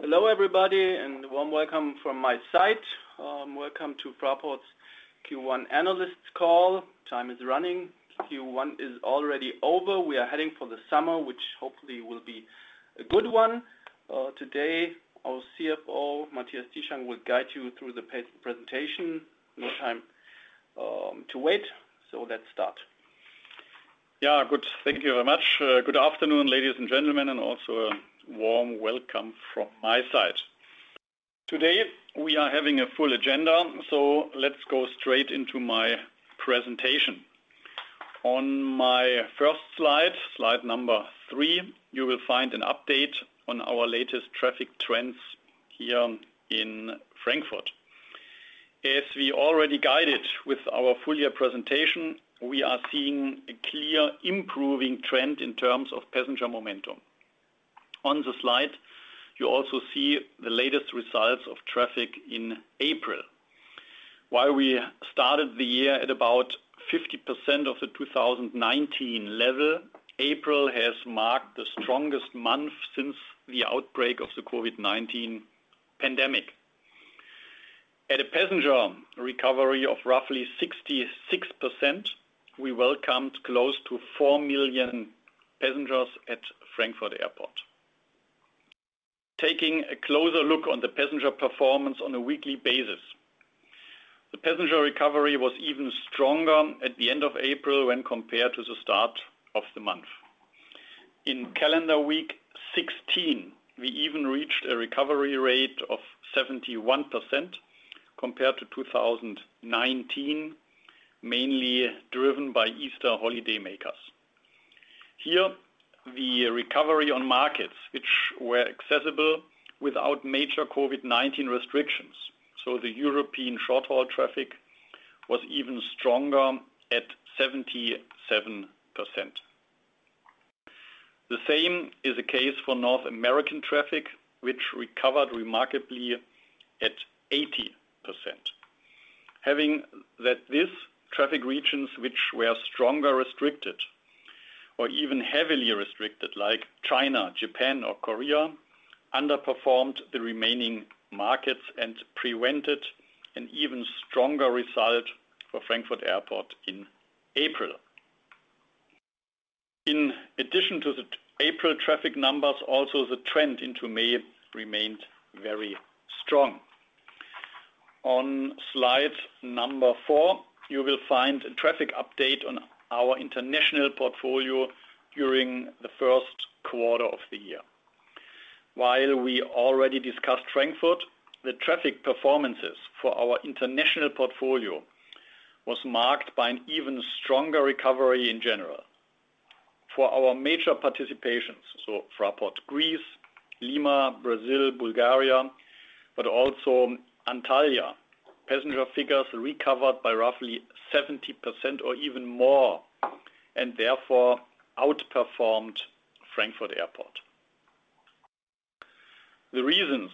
Hello everybody, and warm welcome from my side. Welcome to Fraport's Q1 analysts call. Time is running. Q1 is already over. We are heading for the summer, which hopefully will be a good one. Today, our CFO, Matthias Zieschang, will guide you through the presentation. No time to wait. Let's start. Yeah, good. Thank you very much. Good afternoon, ladies and gentlemen, and also a warm welcome from my side. Today, we are having a full agenda, so let's go straight into my presentation. On my first slide number three, you will find an update on our latest traffic trends here in Frankfurt. As we already guided with our full year presentation, we are seeing a clear improving trend in terms of passenger momentum. On the slide, you also see the latest results of traffic in April. While we started the year at about 50% of the 2019 level, April has marked the strongest month since the outbreak of the COVID-19 pandemic. At a passenger recovery of roughly 66%, we welcomed close to four million passengers at Frankfurt Airport. Taking a closer look on the passenger performance on a weekly basis, the passenger recovery was even stronger at the end of April when compared to the start of the month. In calendar week 16, we even reached a recovery rate of 71% compared to 2019, mainly driven by Easter holidaymakers. Here, the recovery on markets which were accessible without major COVID-19 restrictions, so the European short-haul traffic, was even stronger at 77%. The same is the case for North American traffic, which recovered remarkably at 80%. Having said that these traffic regions which were more restricted or even heavily restricted, like China, Japan or Korea, underperformed the remaining markets and prevented an even stronger result for Frankfurt Airport in April. In addition to the April traffic numbers, also the trend into May remained very strong. On slide number four, you will find a traffic update on our international portfolio during the first quarter of the year. While we already discussed Frankfurt, the traffic performances for our international portfolio was marked by an even stronger recovery in general. For our major participations, so Fraport Greece, Lima, Brazil, Bulgaria, but also Antalya, passenger figures recovered by roughly 70% or even more, and therefore outperformed Frankfurt Airport. The reasons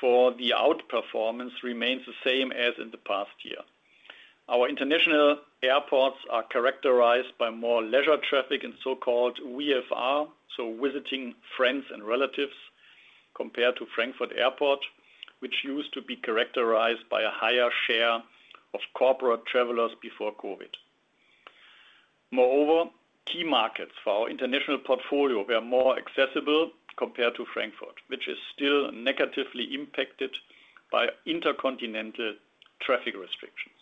for the outperformance remains the same as in the past year. Our international airports are characterized by more leisure traffic and so-called VFR, so visiting friends and relatives, compared to Frankfurt Airport, which used to be characterized by a higher share of corporate travelers before COVID. Moreover, key markets for our international portfolio were more accessible compared to Frankfurt, which is still negatively impacted by intercontinental traffic restrictions.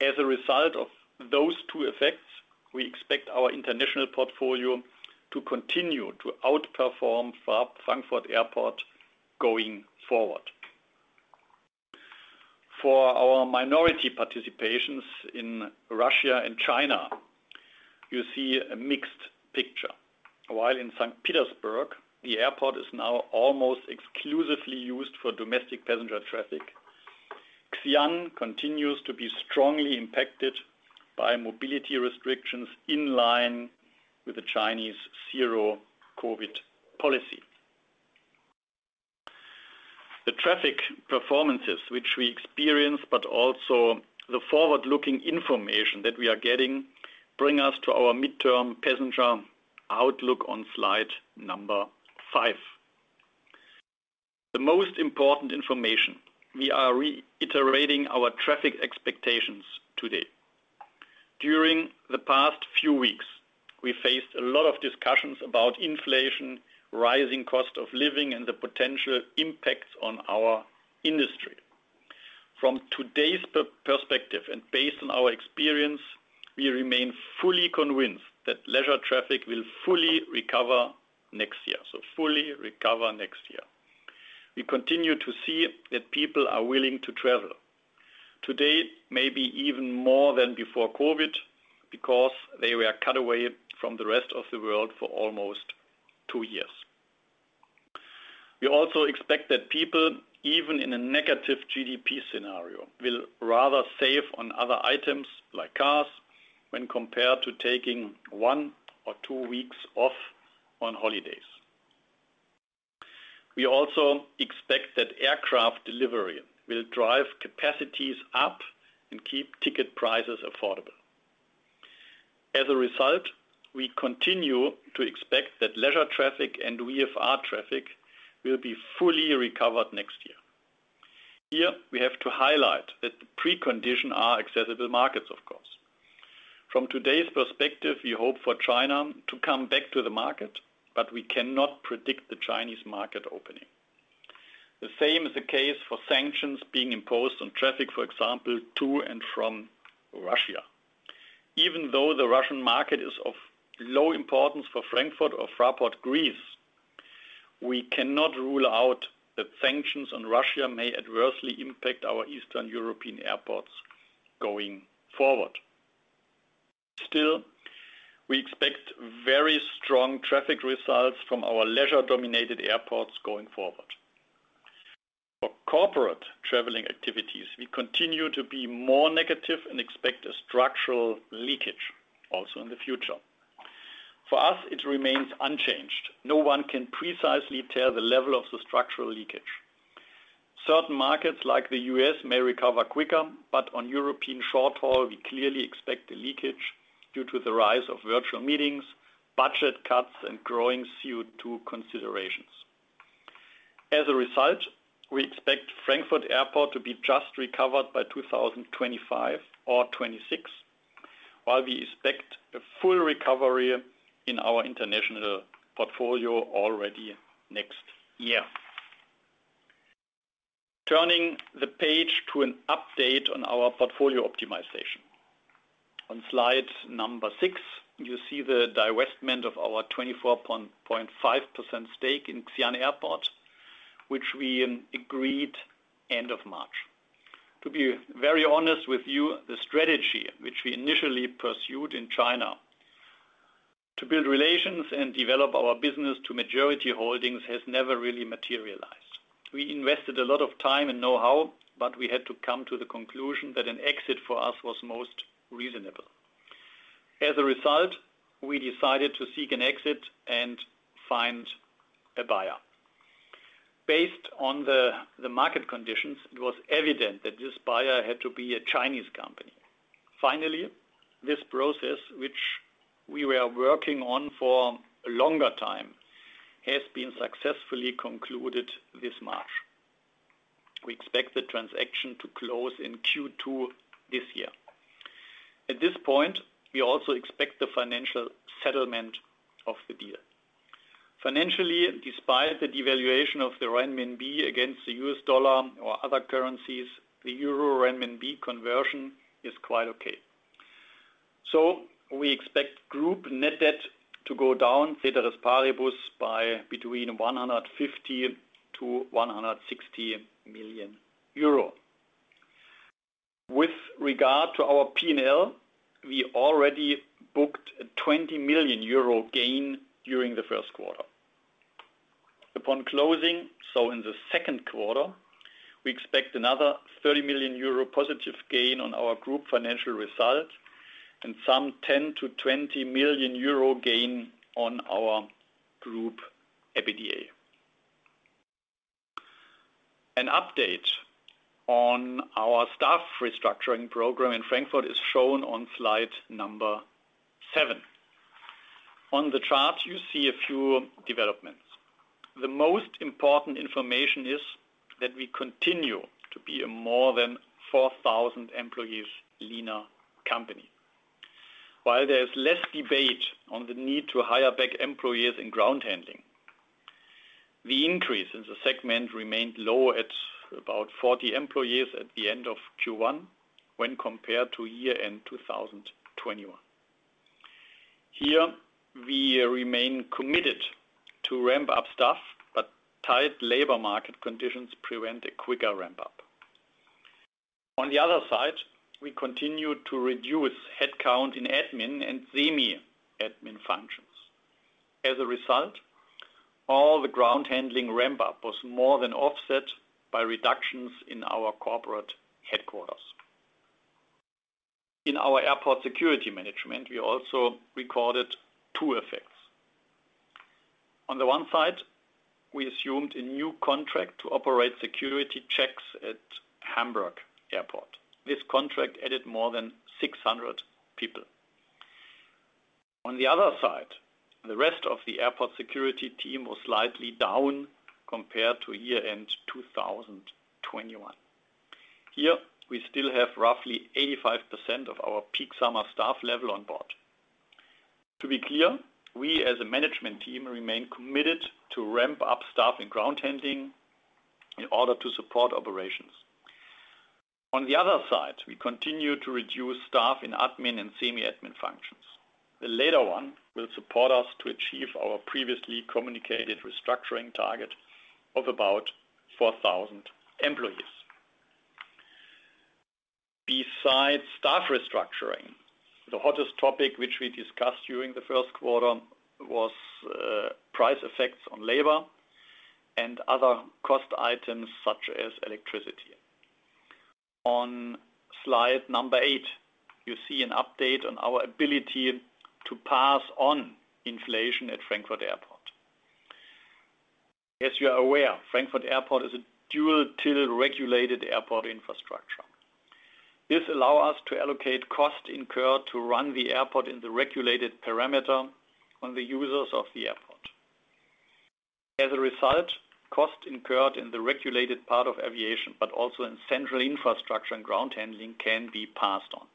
As a result of those two effects, we expect our international portfolio to continue to outperform Frankfurt Airport going forward. For our minority participations in Russia and China, you see a mixed picture. While in St. Petersburg, the airport is now almost exclusively used for domestic passenger traffic. Xi'an continues to be strongly impacted by mobility restrictions in line with the Chinese zero COVID policy. The traffic performances which we experience, but also the forward-looking information that we are getting, bring us to our mid-term passenger outlook on slide number five. The most important information, we are reiterating our traffic expectations today. During the past few weeks, we faced a lot of discussions about inflation, rising cost of living, and the potential impacts on our industry. From today's perspective, and based on our experience, we remain fully convinced that leisure traffic will fully recover next year. Fully recover next year. We continue to see that people are willing to travel. Today, maybe even more than before COVID, because they were cut away from the rest of the world for almost two years. We also expect that people, even in a negative GDP scenario, will rather save on other items like cars when compared to taking one or two weeks off on holidays. We also expect that aircraft delivery will drive capacities up and keep ticket prices affordable. As a result, we continue to expect that leisure traffic and VFR traffic will be fully recovered next year. Here, we have to highlight that the precondition are accessible markets, of course. From today's perspective, we hope for China to come back to the market, but we cannot predict the Chinese market opening. The same is the case for sanctions being imposed on traffic, for example, to and from Russia. Even though the Russian market is of low importance for Frankfurt or Fraport Greece, we cannot rule out that sanctions on Russia may adversely impact our Eastern European airports going forward. Still, we expect very strong traffic results from our leisure-dominated airports going forward. For corporate traveling activities, we continue to be more negative and expect a structural leakage also in the future. For us, it remains unchanged. No one can precisely tell the level of the structural leakage. Certain markets like the U.S. may recover quicker, but on European short haul, we clearly expect a leakage due to the rise of virtual meetings, budget cuts, and growing CO2 considerations. As a result, we expect Frankfurt Airport to be just recovered by 2025 or 2026, while we expect a full recovery in our international portfolio already next year. Turning the page to an update on our portfolio optimization. On slide six, you see the divestment of our 24.5% stake in Xi'an Airport, which we agreed end of March. To be very honest with you, the strategy which we initially pursued in China to build relations and develop our business to majority holdings has never really materialized. We invested a lot of time and know-how, but we had to come to the conclusion that an exit for us was most reasonable. As a result, we decided to seek an exit and find a buyer. Based on the market conditions, it was evident that this buyer had to be a Chinese company. Finally, this process which we were working on for a longer time, has been successfully concluded this March. We expect the transaction to close in Q2 this year. At this point, we also expect the financial settlement of the deal. Financially, despite the devaluation of the renminbi against the US dollar or other currencies, the euro renminbi conversion is quite okay. We expect group net debt to go down, ceteris paribus by between 150 million and 160 million euro. With regard to our P&L, we already booked a 20 million euro gain during the first quarter. Upon closing, so in the second quarter, we expect another 30 million euro positive gain on our group financial result and some 10 million-20 million euro gain on our group EBITDA. An update on our staff restructuring program in Frankfurt is shown on slide number seven. On the chart, you see a few developments. The most important information is that we continue to be a more than 4,000 employees leaner company. While there is less debate on the need to hire back employees in ground handling, the increase in the segment remained low at about 40 employees at the end of Q1 when compared to year-end 2021. Here, we remain committed to ramp up staff, but tight labor market conditions prevent a quicker ramp-up. On the other side, we continue to reduce headcount in admin and semi-admin functions. As a result, all the ground handling ramp-up was more than offset by reductions in our corporate headquarters. In our airport security management, we also recorded two effects. On the one side, we assumed a new contract to operate security checks at Hamburg Airport. This contract added more than 600 people. On the other side, the rest of the airport security team was slightly down compared to year-end 2021. Here, we still have roughly 85% of our peak summer staff level on board. To be clear, we, as a management team, remain committed to ramp up staff and ground handling in order to support operations. On the other side, we continue to reduce staff in admin and semi-admin functions. The latter one will support us to achieve our previously communicated restructuring target of about 4,000 employees. Besides staff restructuring, the hottest topic which we discussed during the first quarter was price effects on labor and other cost items such as electricity. On slide number eight, you see an update on our ability to pass on inflation at Frankfurt Airport. As you are aware, Frankfurt Airport is a dual till regulated airport infrastructure. This allows us to allocate costs incurred to run the airport in the regulated parameter on the users of the airport. As a result, costs incurred in the regulated part of aviation, but also in central infrastructure and ground handling can be passed on.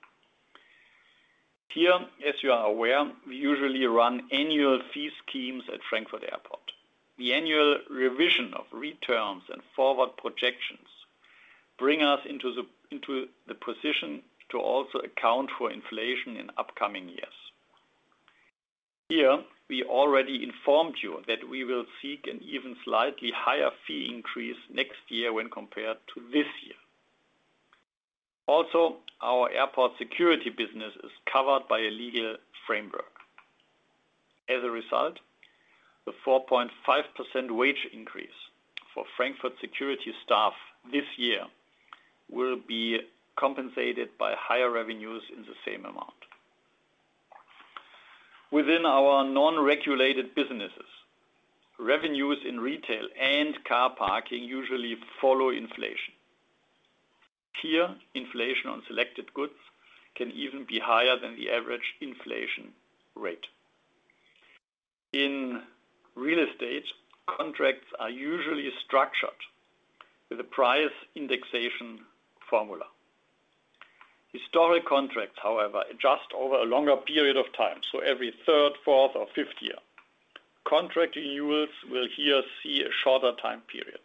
Here, as you are aware, we usually run annual fee schemes at Frankfurt Airport. The annual revision of returns and forward projections bring us into the position to also account for inflation in upcoming years. Here, we already informed you that we will seek an even slightly higher fee increase next year when compared to this year. Also, our airport security business is covered by a legal framework. As a result, the 4.5% wage increase for Frankfurt security staff this year will be compensated by higher revenues in the same amount. Within our non-regulated businesses, revenues in retail and car parking usually follow inflation. Here, inflation on selected goods can even be higher than the average inflation rate. In real estate, contracts are usually structured with a price indexation formula. Historic contracts, however, adjust over a longer period of time, so every third, fourth, or fifth year. Contract renewals will here see a shorter time period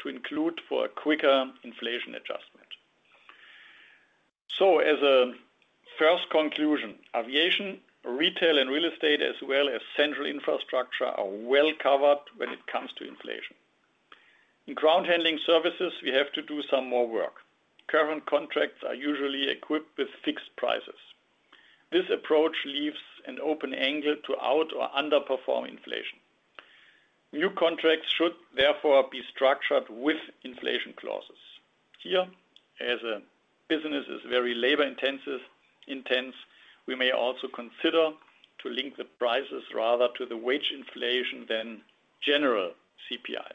to include for a quicker inflation adjustment. As a first conclusion, aviation, retail, and real estate, as well as central infrastructure, are well covered when it comes to inflation. In ground handling services, we have to do some more work. Current contracts are usually equipped with fixed prices. This approach leaves an open angle to out- or underperform inflation. New contracts should therefore be structured with inflation clauses. Here, as a business is very labor intensive, we may also consider to link the prices rather to the wage inflation than general CPI.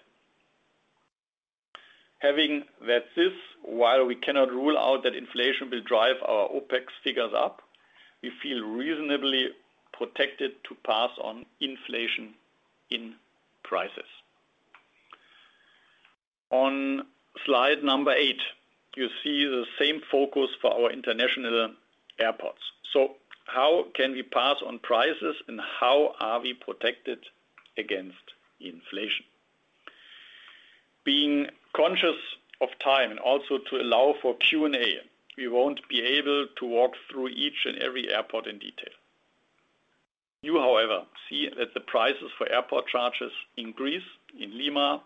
Having said this, while we cannot rule out that inflation will drive our OpEx figures up, we feel reasonably protected to pass on inflation in prices. On slide number eight, you see the same focus for our international airports. How can we pass on prices and how are we protected against inflation? Being conscious of time and also to allow for Q&A, we won't be able to walk through each and every airport in detail. You, however, see that the prices for airport charges increase in Lima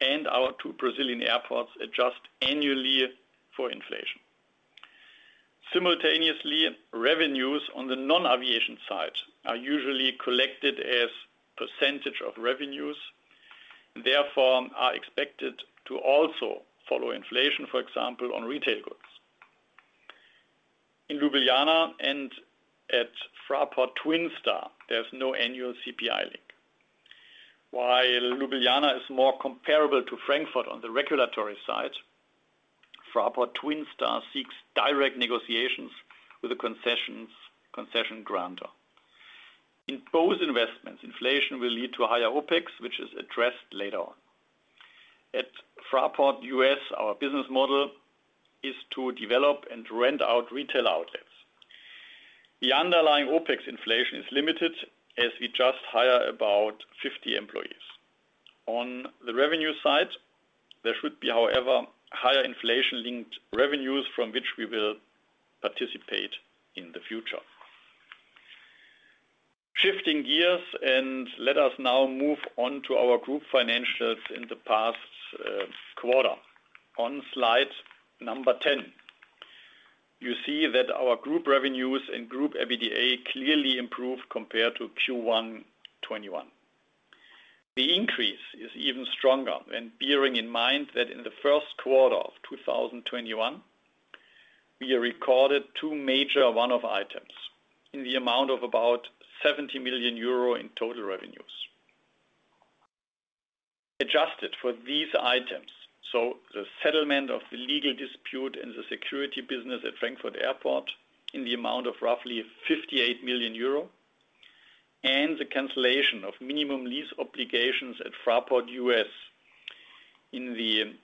and our two Brazilian airports adjust annually for inflation. Simultaneously, revenues on the non-aviation side are usually collected as percentage of revenues, therefore, are expected to also follow inflation, for example, on retail goods. In Ljubljana and at Fraport Twin Star, there's no annual CPI link. While Ljubljana is more comparable to Frankfurt on the regulatory side, Fraport Twin Star seeks direct negotiations with the concessions, concession grantor. In both investments, inflation will lead to higher OpEx, which is addressed later on. At Fraport USA, our business model is to develop and rent out retail outlets. The underlying OpEx inflation is limited as we just hire about 50 employees. On the revenue side, there should be, however, higher inflation-linked revenues from which we will participate in the future. Shifting gears, let us now move on to our group financials in the past quarter. On slide number 10, you see that our group revenues and group EBITDA clearly improved compared to Q1 2021. The increase is even stronger when bearing in mind that in the first quarter of 2021, we recorded two major one-off items in the amount of about 70 million euro in total revenues. Adjusted for these items, so the settlement of the legal dispute in the security business at Frankfurt Airport in the amount of roughly 58 million euro and the cancellation of minimum lease obligations at Fraport USA in the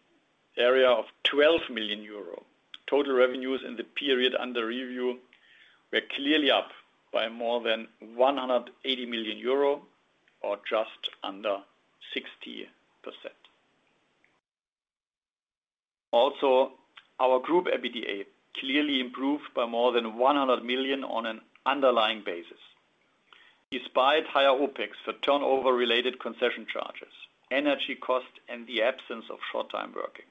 area of 12 million euro. Total revenues in the period under review were clearly up by more than 180 million euro or just under 60%. Also, our group EBITDA clearly improved by more than 100 million on an underlying basis, despite higher OpEx for turnover-related concession charges, energy costs, and the absence of short-time working.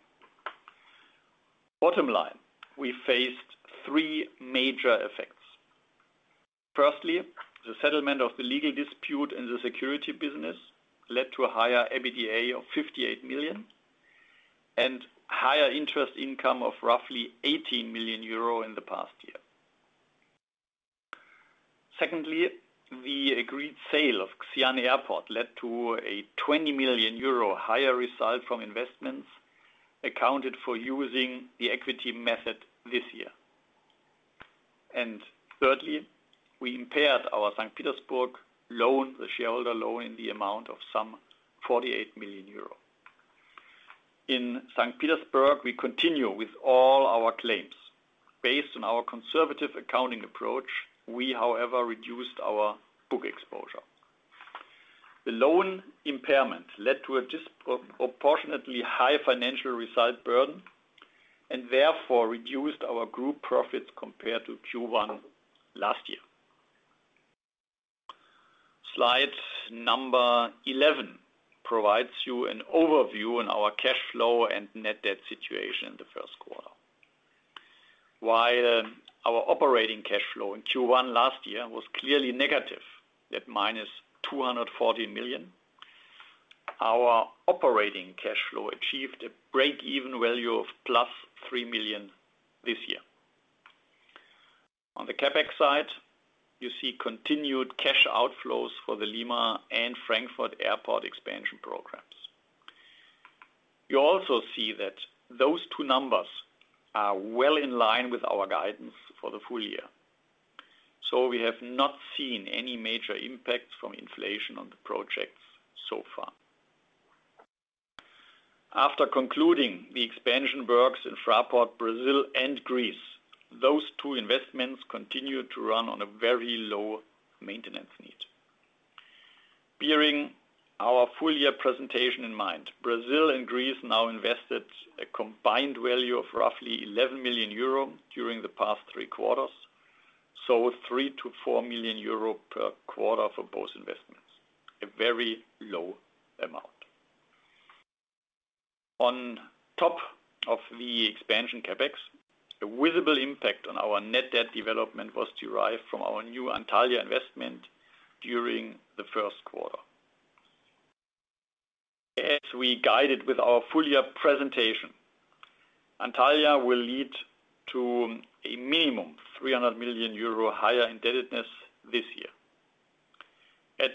Bottom line, we faced three major effects. Firstly, the settlement of the legal dispute in the security business led to a higher EBITDA of 58 million and higher interest income of roughly 80 million euro in the past year. Secondly, the agreed sale of Xi'an Airport led to a 20 million euro higher result from investments accounted for using the equity method this year. Thirdly, we impaired our Saint Petersburg loan, the shareholder loan in the amount of some 48 million euro. In Saint Petersburg, we continue with all our claims. Based on our conservative accounting approach, we, however, reduced our book exposure. The loan impairment led to a disproportionately high financial result burden and therefore reduced our group profits compared to Q1 last year. Slide number 11 provides you an overview on our cash flow and net debt situation in the first quarter. While our operating cash flow in Q1 last year was clearly negative at -240 million, our operating cash flow achieved a break-even value of +3 million this year. On the CapEx side, you see continued cash outflows for the Lima and Frankfurt Airport expansion programs. You also see that those two numbers are well in line with our guidance for the full year. We have not seen any major impacts from inflation on the projects so far. After concluding the expansion works in Frankfurt, Brazil and Greece, those two investments continue to run on a very low maintenance need. Bearing our full-year presentation in mind, Brazil and Greece now invested a combined value of roughly 11 million euro during the past three quarters, so 3 million-4 million euro per quarter for both investments, a very low amount. On top of the expansion CapEx, a visible impact on our net debt development was derived from our new Antalya investment during the first quarter. As we guided with our full-year presentation, Antalya will lead to a minimum 300 million euro higher indebtedness this year. At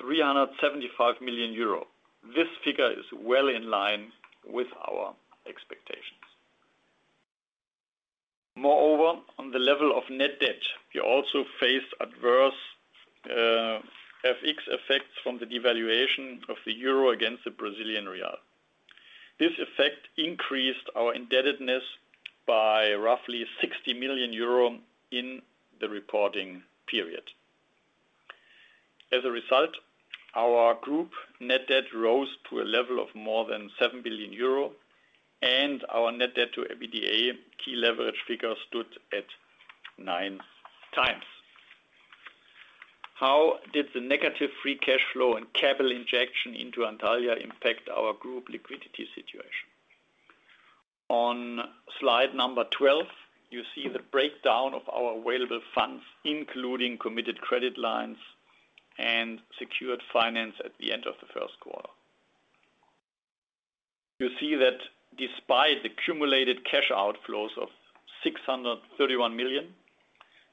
375 million euro, this figure is well in line with our expectations. Moreover, on the level of net debt, we also faced adverse FX effects from the devaluation of the euro against the Brazilian real. This effect increased our indebtedness by roughly 60 million euro in the reporting period. As a result, our group net debt rose to a level of more than 7 billion euro and our net debt to EBITDA key leverage figure stood at 9x. How did the negative free cash flow and capital injection into Antalya impact our group liquidity situation? On slide 12, you see the breakdown of our available funds, including committed credit lines and secured finance at the end of the first quarter. You see that despite the cumulative cash outflows of 631 million,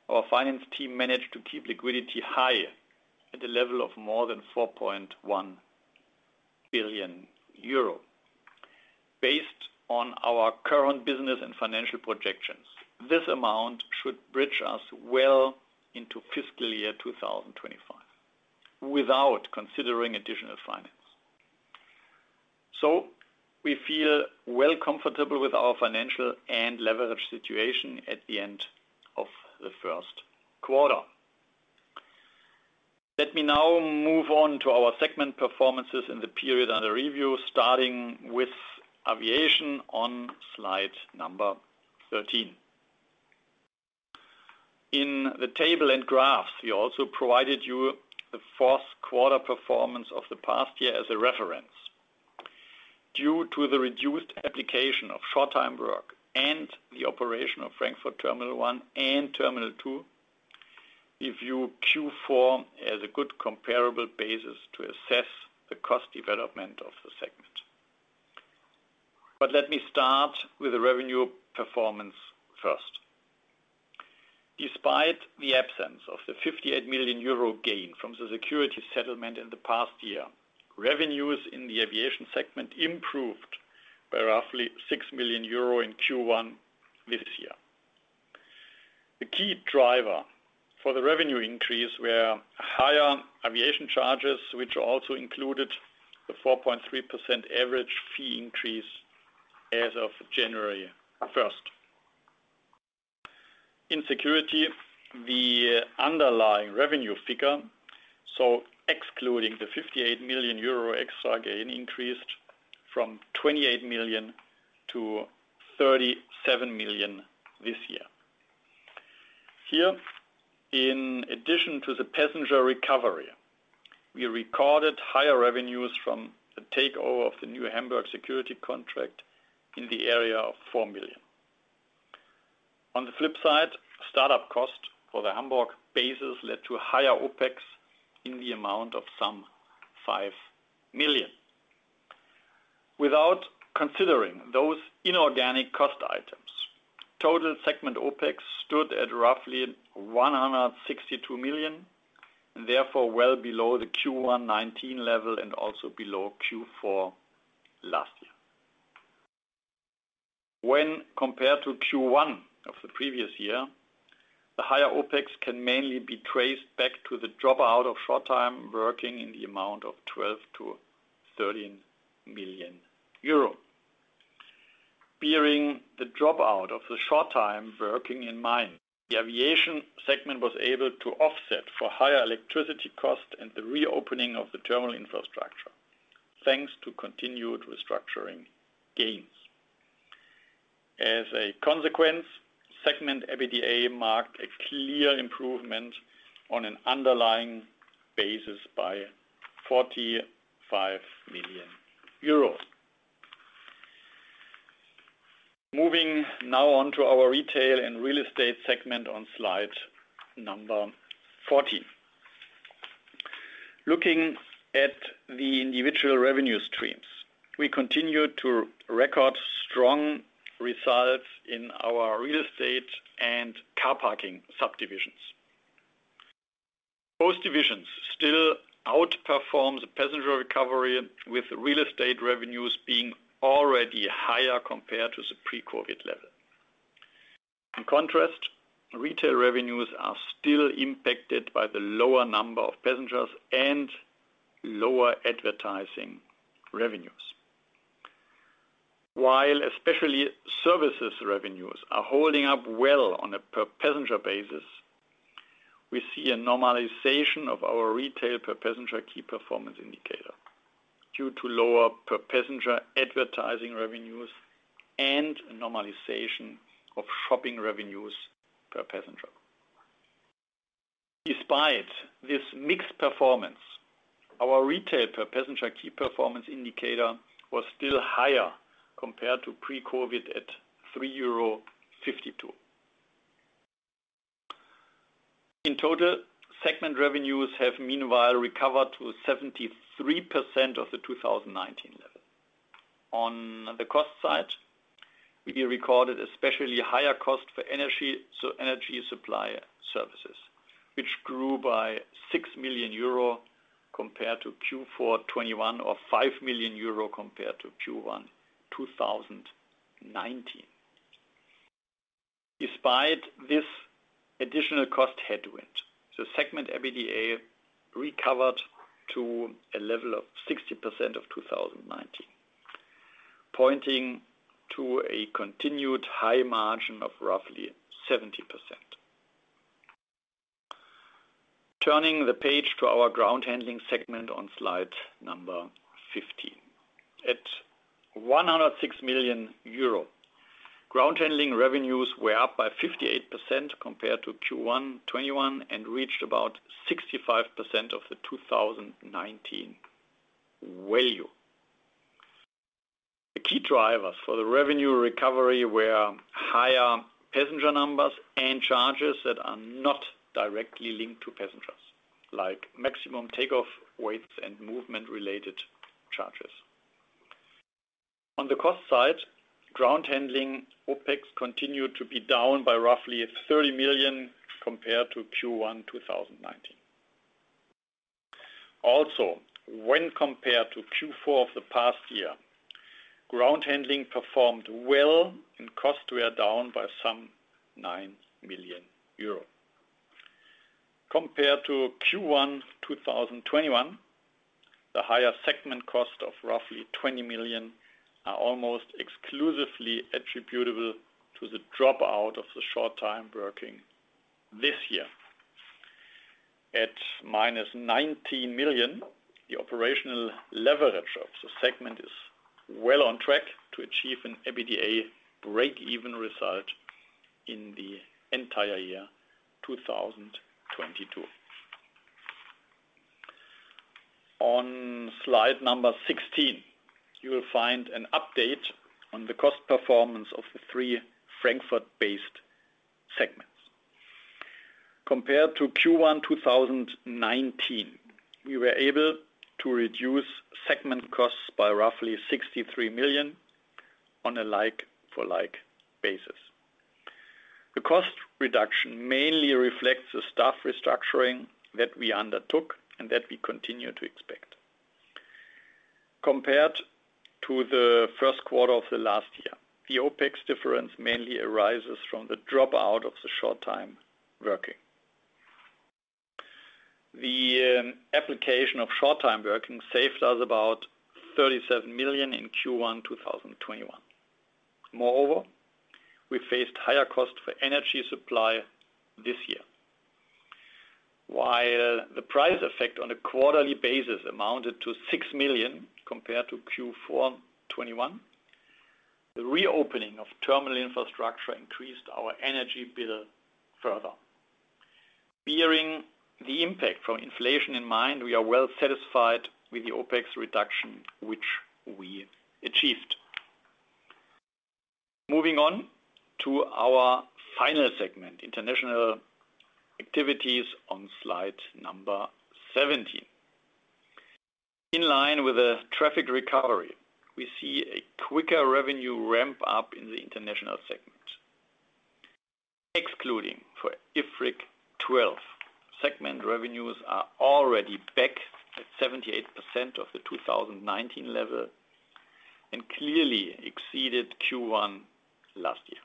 our finance team managed to keep liquidity high at a level of more than 4.1 billion euro. Based on our current business and financial projections, this amount should bridge us well into fiscal year 2025 without considering additional finance. We feel well comfortable with our financial and leverage situation at the end of the first quarter. Let me now move on to our segment performances in the period under review, starting with aviation on slide 13. In the table and graph, we also provided you the fourth quarter performance of the past year as a reference. Due to the reduced application of short time work and the operation of Frankfurt Terminal 1 and Terminal 2, we view Q4 as a good comparable basis to assess the cost development of the segment. Let me start with the revenue performance first. Despite the absence of the 58 million euro gain from the security settlement in the past year, revenues in the aviation segment improved by roughly 6 million euro in Q1 this year. The key driver for the revenue increase were higher aviation charges, which also included the 4.3% average fee increase as of January first. In security, the underlying revenue figure, so excluding the 58 million euro extra gain, increased from 28 million to 37 million this year. Here, in addition to the passenger recovery, we recorded higher revenues from the takeover of the new Hamburg security contract in the area of 4 million. On the flip side, startup cost for the Hamburg bases led to higher OpEx in the amount of some 5 million. Without considering those inorganic cost items, total segment OpEx stood at roughly 162 million, therefore well below the Q1 2019 level and also below Q4 last year. When compared to Q1 of the previous year, the higher OpEx can mainly be traced back to the drop out of short-time working in the amount of 12 million-13 million euro. Bearing the drop out of the short-time working in mind, the aviation segment was able to offset for higher electricity cost and the reopening of the terminal infrastructure, thanks to continued restructuring gains. As a consequence, segment EBITDA marked a clear improvement on an underlying basis by EUR 45 million. Moving now on to our retail and real estate segment on slide 14. Looking at the individual revenue streams, we continue to record strong results in our real estate and car parking subdivisions. Both divisions still outperform the passenger recovery, with real estate revenues being already higher compared to the pre-COVID level. In contrast, retail revenues are still impacted by the lower number of passengers and lower advertising revenues. While especially services revenues are holding up well on a per passenger basis, we see a normalization of our retail per passenger key performance indicator due to lower per passenger advertising revenues and normalization of shopping revenues per passenger. Despite this mixed performance, our retail per passenger key performance indicator was still higher compared to pre-COVID at 3.52 euro. In total, segment revenues have meanwhile recovered to 73% of the 2019 level. On the cost side, we recorded especially higher cost for energy, so energy supply services, which grew by 6 million euro compared to Q4 2021 or 5 million euro compared to Q1 2019. Despite this additional cost headwind, the segment EBITDA recovered to a level of 60% of 2019, pointing to a continued high margin of roughly 70%. Turning the page to our ground handling segment on slide number 15. At 106 million euro, ground handling revenues were up by 58% compared to Q1 2021 and reached about 65% of the 2019 value. The key drivers for the revenue recovery were higher passenger numbers and charges that are not directly linked to passengers, like maximum takeoff weights and movement related charges. On the cost side, ground handling OpEx continued to be down by roughly 30 million compared to Q1 2019. Also, when compared to Q4 of the past year, ground handling performed well and costs were down by some 9 million euro. Compared to Q1 2021, the higher segment cost of roughly 20 million are almost exclusively attributable to the drop out of the short-time working this year. At -19 million, the operational leverage of the segment is well on track to achieve an EBITDA break-even result in the entire year 2022. On slide 16, you will find an update on the cost performance of the three Frankfurt-based segments. Compared to Q1 2019, we were able to reduce segment costs by roughly 63 million on a like for like basis. The cost reduction mainly reflects the staff restructuring that we undertook and that we continue to expect. Compared to the first quarter of the last year, the OpEx difference mainly arises from the drop out of the short-time working. The application of short-time working saved us about 37 million in Q1 2021. Moreover, we faced higher cost for energy supply this year. While the price effect on a quarterly basis amounted to 6 million compared to Q4 2021, the reopening of terminal infrastructure increased our energy bill further. Bearing the impact from inflation in mind, we are well satisfied with the OpEx reduction, which we achieved. Moving on to our final segment, international activities on slide 17. In line with the traffic recovery, we see a quicker revenue ramp up in the international segment. Excluding for IFRIC 12, segment revenues are already back at 78% of the 2019 level and clearly exceeded Q1 last year.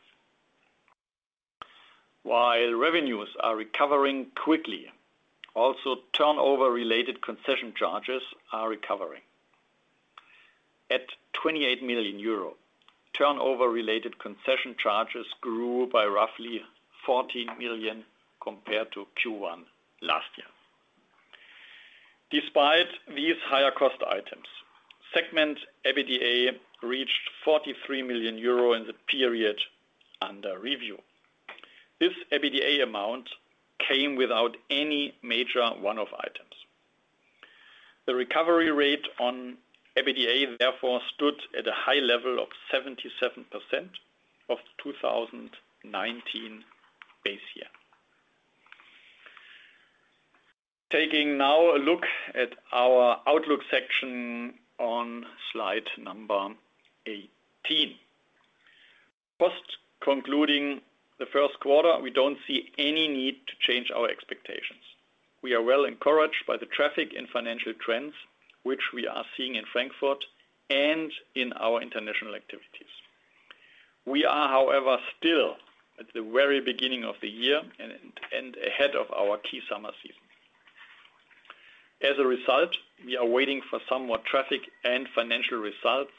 While revenues are recovering quickly, also turnover-related concession charges are recovering. At 28 million euro, turnover-related concession charges grew by roughly 14 million compared to Q1 last year. Despite these higher cost items, segment EBITDA reached 43 million euro in the period under review. This EBITDA amount came without any major one-off items. The recovery rate on EBITDA therefore stood at a high level of 77% of the 2019 base year. Taking now a look at our outlook section on slide 18. First concluding the first quarter, we don't see any need to change our expectations. We are well encouraged by the traffic and financial trends which we are seeing in Frankfurt and in our international activities. We are, however, still at the very beginning of the year and ahead of our key summer season. As a result, we are waiting for some more traffic and financial results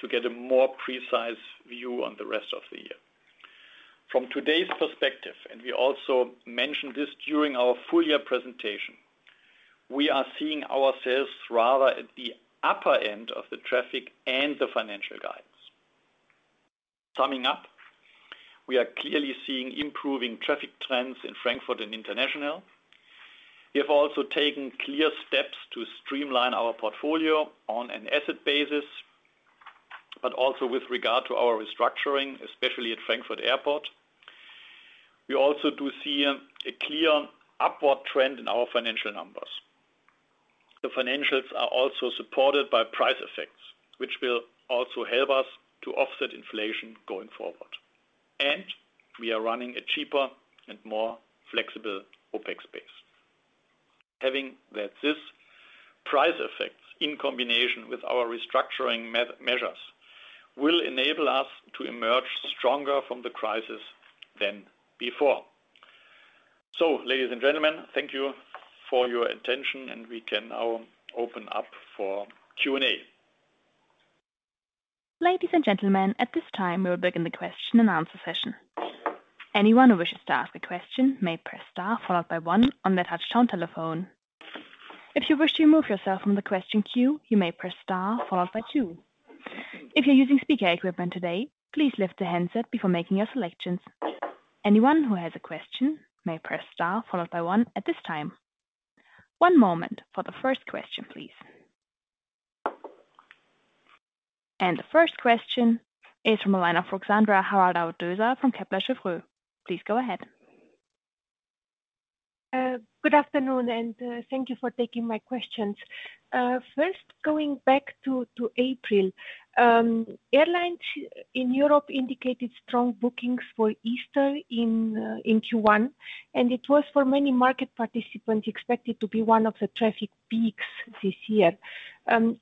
to get a more precise view on the rest of the year. From today's perspective, and we also mentioned this during our full-year presentation, we are seeing ourselves rather at the upper end of the traffic and the financial guidance. Summing up, we are clearly seeing improving traffic trends in Frankfurt and international. We have also taken clear steps to streamline our portfolio on an asset basis, but also with regard to our restructuring, especially at Frankfurt Airport. We also do see a clear upward trend in our financial numbers. The financials are also supported by price effects, which will also help us to offset inflation going forward. We are running a cheaper and more flexible OpEx base. Having that this price effects in combination with our restructuring measures will enable us to emerge stronger from the crisis than before. Ladies and gentlemen, thank you for your attention, and we can now open up for Q&A. Ladies and gentlemen, at this time, we will begin the question and answer session. Anyone who wishes to ask a question may press star followed by one on their touchtone telephone. If you wish to remove yourself from the question queue, you may press star followed by two. If you're using speaker equipment today, please lift the handset before making your selections. Anyone who has a question may press star followed by one at this time. One moment for the first question, please. The first question is from a line of Ruxandra Haradau-Döser from Kepler Cheuvreux. Please go ahead. Good afternoon, thank you for taking my questions. First going back to April. Airlines in Europe indicated strong bookings for Easter in Q1, and it was for many market participants expected to be one of the traffic peaks this year.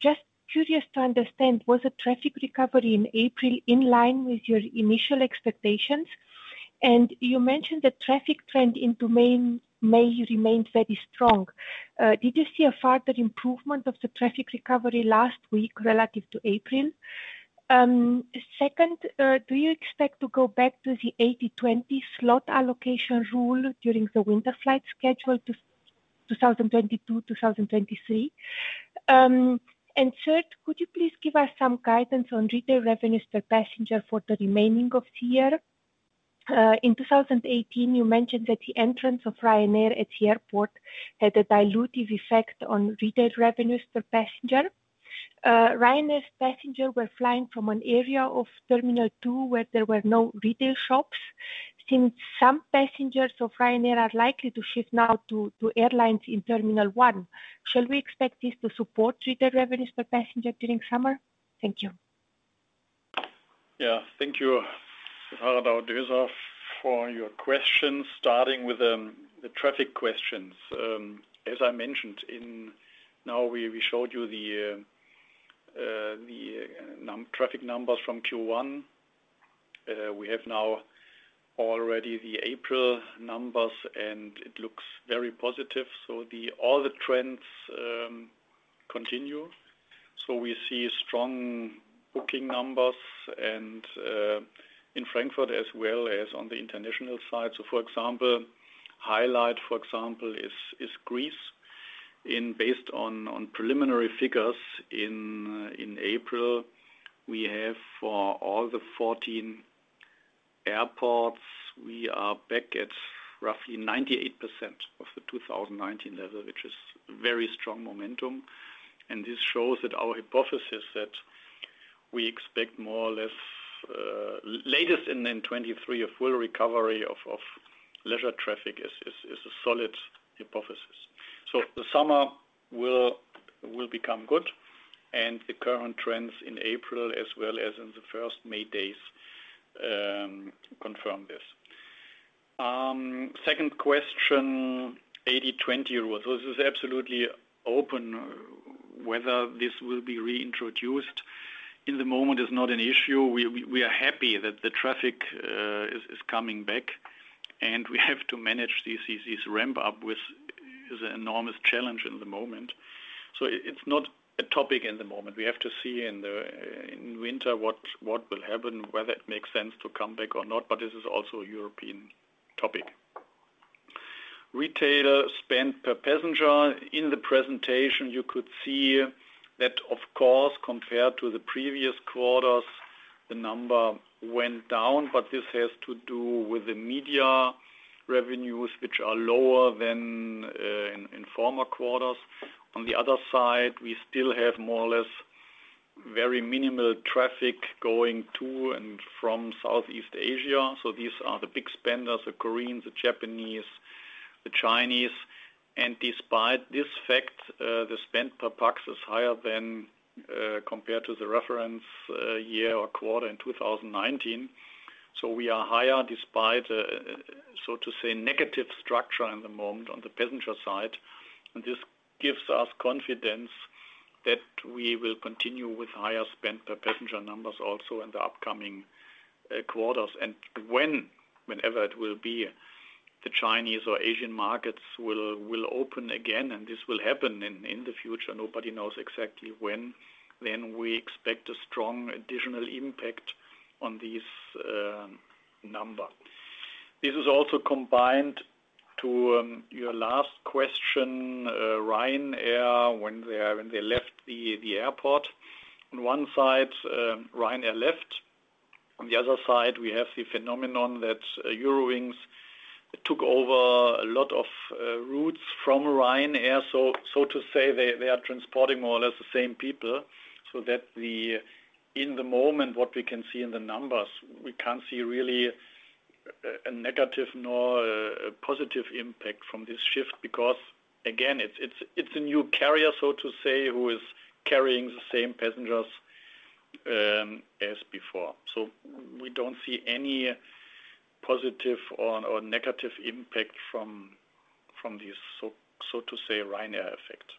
Just curious to understand, was the traffic recovery in April in line with your initial expectations? You mentioned the traffic trend into May remains very strong. Did you see a further improvement of the traffic recovery last week relative to April? Second, do you expect to go back to the 80/20 slot allocation rule during the winter flight schedule to 2022/2023? Third, could you please give us some guidance on retail revenues per passenger for the remaining of the year? In 2018, you mentioned that the entrance of Ryanair at the airport had a dilutive effect on retail revenues per passenger. Ryanair's passenger were flying from an area of terminal two, where there were no retail shops. Since some passengers of Ryanair are likely to shift now to airlines in terminal one, shall we expect this to support retail revenues per passenger during summer? Thank you. Yeah. Thank you, Ruxandra Haradau-Döser, for your questions, starting with the traffic questions. As I mentioned, now we showed you the traffic numbers from Q1. We have now already the April numbers, and it looks very positive. All the trends continue. We see strong booking numbers and in Frankfurt as well as on the international side. For example, highlight is Greece. Based on preliminary figures in April, we have for all the 14 airports, we are back at roughly 98% of the 2019 level, which is very strong momentum. This shows that our hypothesis that we expect more or less at the latest in 2023 a full recovery of leisure traffic is a solid hypothesis. The summer will become good and the current trends in April as well as in the first May days confirm this. Second question, 80/20 rule. This is absolutely open. Whether this will be reintroduced at the moment is not an issue. We are happy that the traffic is coming back and we have to manage this ramp up which is an enormous challenge at the moment. It's not a topic at the moment. We have to see in the winter what will happen, whether it makes sense to come back or not. This is also a European topic. Retailer spend per passenger. In the presentation you could see that of course, compared to the previous quarters, the number went down. This has to do with the media revenues, which are lower than in former quarters. On the other side, we still have more or less very minimal traffic going to and from Southeast Asia. These are the big spenders, the Koreans, the Japanese, the Chinese. Despite this fact, the spend per pax is higher than compared to the reference year or quarter in 2019. We are higher despite so to say, negative structure in the moment on the passenger side. This gives us confidence that we will continue with higher spend per passenger numbers also in the upcoming quarters. When, whenever it will be, the Chinese or Asian markets will open again, and this will happen in the future. Nobody knows exactly when. We expect a strong additional impact on these numbers. This is also coming to your last question, Ryanair when they left the airport. On one side, Ryanair left. On the other side we have the phenomenon that Eurowings took over a lot of routes from Ryanair. So to say, they are transporting more or less the same people so that. In the moment, what we can see in the numbers, we can't see really a negative nor a positive impact from this shift because again, it's a new carrier, so to say, who is carrying the same passengers as before. So we don't see any positive or negative impact from this, so to say, Ryanair effect.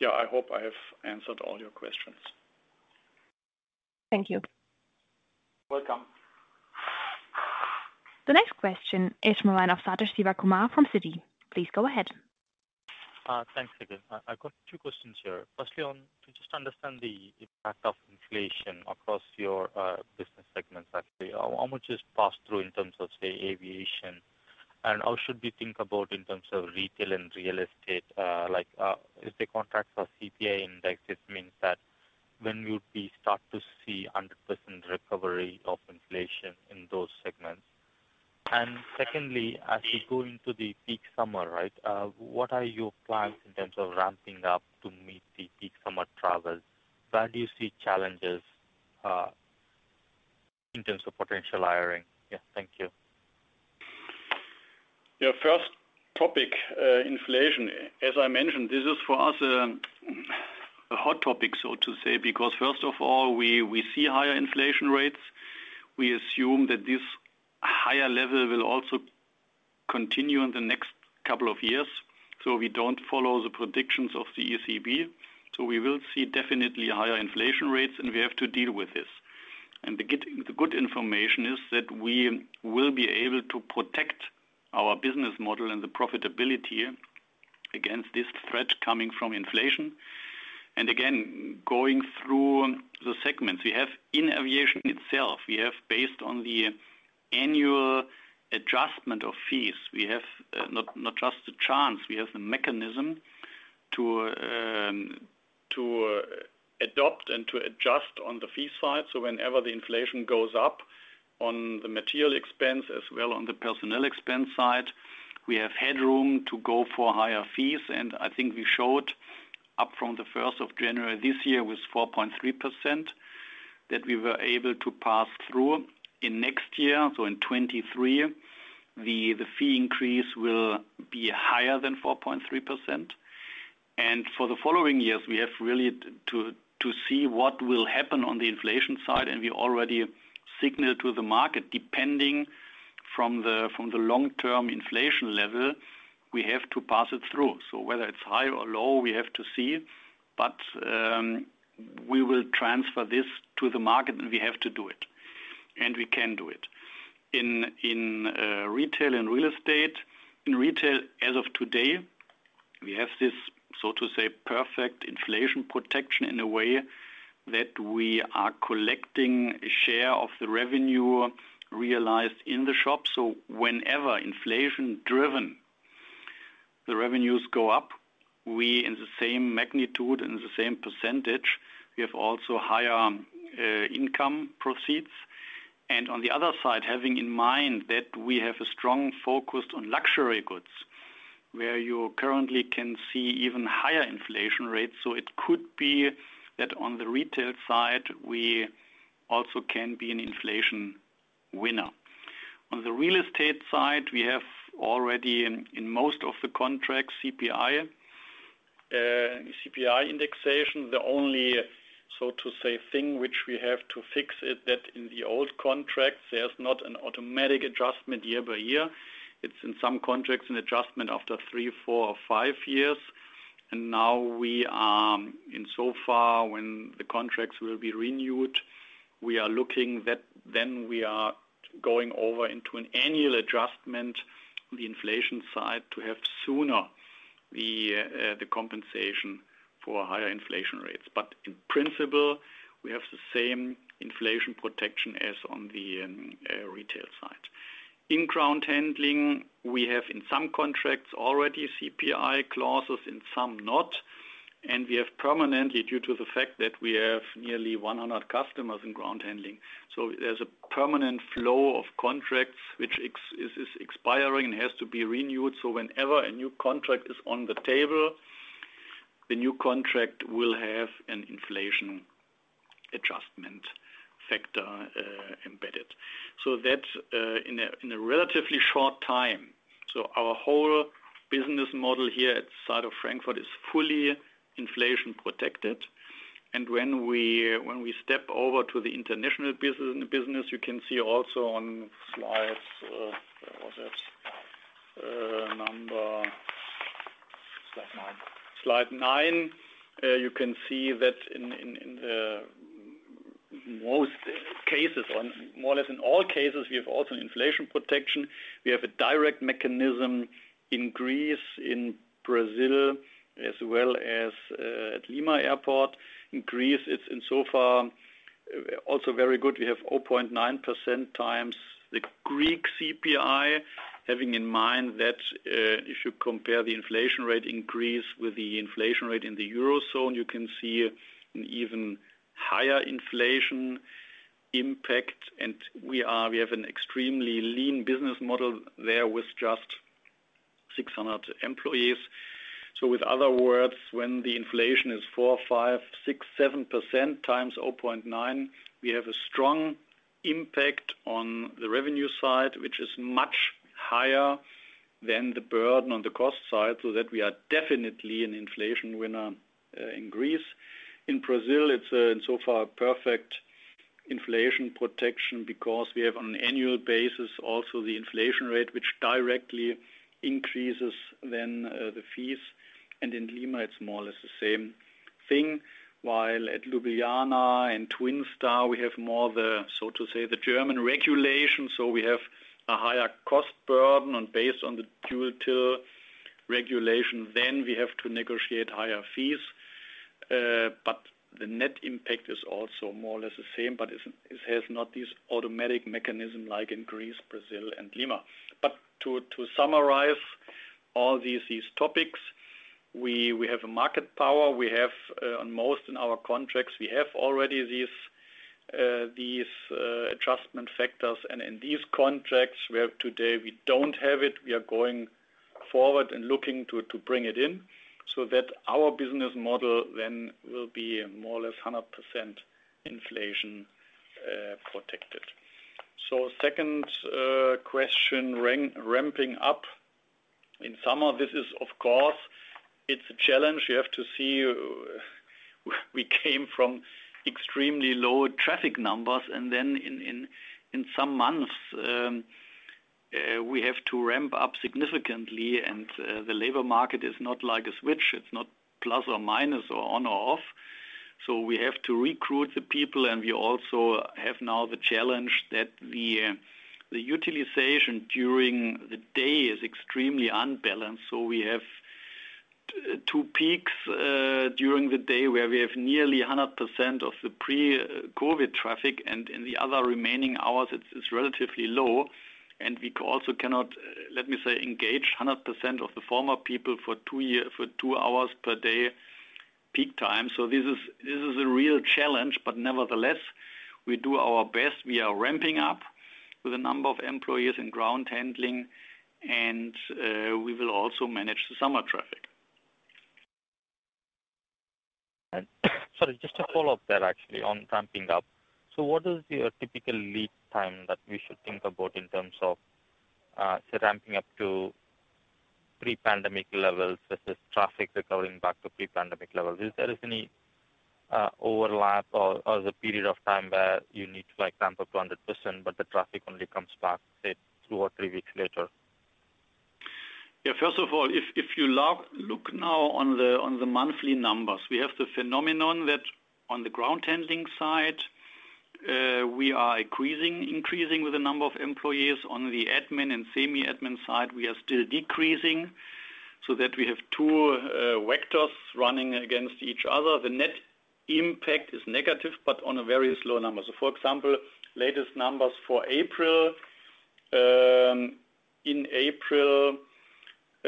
Yeah, I hope I have answered all your questions. Thank you. Welcome. The next question is from the line of Sathish Sivakumar from Citi. Please go ahead. Thanks again. I got two questions here. Firstly, on to just understand the impact of inflation across your business segments. Actually, how much is passed through in terms of, say, aviation? And how should we think about in terms of retail and real estate? Like, if the contracts are CPI indexed, it means that when will we start to see 100% recovery of inflation in those segments? And secondly, as you go into the peak summer, what are your plans in terms of ramping up to meet the peak summer travels? Where do you see challenges in terms of potential hiring? Thank you. Your first topic, inflation. As I mentioned, this is for us a hot topic, so to say, because first of all, we see higher inflation rates. We assume that this higher level will also continue in the next couple of years. We don't follow the predictions of the ECB. We will see definitely higher inflation rates, and we have to deal with this. The good information is that we will be able to protect our business model and the profitability against this threat coming from inflation. Again, going through the segments we have in aviation itself, we have based on the annual adjustment of fees, we have not just the chance, we have the mechanism to adapt and to adjust on the fee side. Whenever the inflation goes up on the material expense as well on the personnel expense side, we have headroom to go for higher fees. I think we showed up from the first of January this year with 4.3% that we were able to pass through in next year. In 2023 the fee increase will be higher than 4.3%. For the following years we have really to see what will happen on the inflation side. We already signaled to the market, depending on the long-term inflation level, we have to pass it through. Whether it's high or low, we have to see. We will transfer this to the market and we have to do it, and we can do it. In retail and real estate. In retail, as of today, we have this, so to say, perfect inflation protection in a way that we are collecting a share of the revenue realized in the shop. Whenever inflation driven the revenues go up. We, in the same magnitude, in the same percentage, we have also higher income proceeds. On the other side, having in mind that we have a strong focus on luxury goods, where you currently can see even higher inflation rates. It could be that on the retail side, we also can be an inflation winner. On the real estate side, we have already in most of the contracts, CPI indexation. The only, so to say, thing which we have to fix is that in the old contracts, there's not an automatic adjustment year by year. It's in some contracts, an adjustment after three, four or five years. Now we are, insofar when the contracts will be renewed, we are looking that then we are going over into an annual adjustment, the inflation side, to have sooner the compensation for higher inflation rates. In principle, we have the same inflation protection as on the retail side. In ground handling, we have in some contracts already CPI clauses, in some not. We have permanently, due to the fact that we have nearly 100 customers in ground handling. There's a permanent flow of contracts which is expiring and has to be renewed. Whenever a new contract is on the table, the new contract will have an inflation adjustment factor embedded. That in a relatively short time. Our whole business model here at site of Frankfurt is fully inflation protected. When we step over to the international business, you can see also on slides, where was it? number Slide nine. Slide nine. You can see that in most cases or more or less in all cases, we have also inflation protection. We have a direct mechanism in Greece, in Brazil, as well as at Lima Airport. In Greece, it's insofar also very good. We have 0.9% times the Greek CPI. Having in mind that, if you compare the inflation rate in Greece with the inflation rate in the Eurozone, you can see an even higher inflation impact. We have an extremely lean business model there with just 600 employees. In other words, when the inflation is 4%, 5%, 6%, 7% times 0.9, we have a strong impact on the revenue side, which is much higher than the burden on the cost side, so that we are definitely an inflation winner in Greece. In Brazil, it's insofar a perfect inflation protection because we have on an annual basis also the inflation rate, which directly increases then, the fees. In Lima, it's more or less the same thing. While at Ljubljana and Twin Star, we have more the, so to say, the German regulation. We have a higher cost burden and based on the dual till regulation, then we have to negotiate higher fees. The net impact is also more or less the same, but it has not this automatic mechanism like in Greece, Brazil and Lima. To summarize all these topics, we have a market power. We have on most in our contracts, we have already these adjustment factors. In these contracts we have today, we don't have it. We are going forward and looking to bring it in so that our business model then will be more or less 100% inflation protected. Second question. Ramping up in summer. This is, of course, a challenge. You have to see we came from extremely low traffic numbers, and then in some months we have to ramp up significantly. The labor market is not like a switch. It's not plus or minus or on or off. We have to recruit the people. We also have now the challenge that the utilization during the day is extremely unbalanced. We have two peaks during the day where we have nearly 100% of the pre-COVID traffic, and in the other remaining hours it's relatively low. We also cannot, let me say, engage 100% of the former people for two hours per day peak time. This is a real challenge, but nevertheless, we do our best. We are ramping up with a number of employees in ground handling, and we will also manage the summer traffic. Sorry, just to follow up there actually on ramping up. What is your typical lead time that we should think about in terms of, say ramping up to pre-pandemic levels versus traffic recovering back to pre-pandemic levels? Is there any, overlap or the period of time where you need to like ramp up to 100%, but the traffic only comes back, say two or three weeks later? Yeah, first of all, if you look now on the monthly numbers, we have the phenomenon that on the ground handling side, we are increasing with the number of employees. On the admin and semi-admin side, we are still decreasing so that we have two vectors running against each other. The net impact is negative, but on a very slow number. For example, latest numbers for April. In April,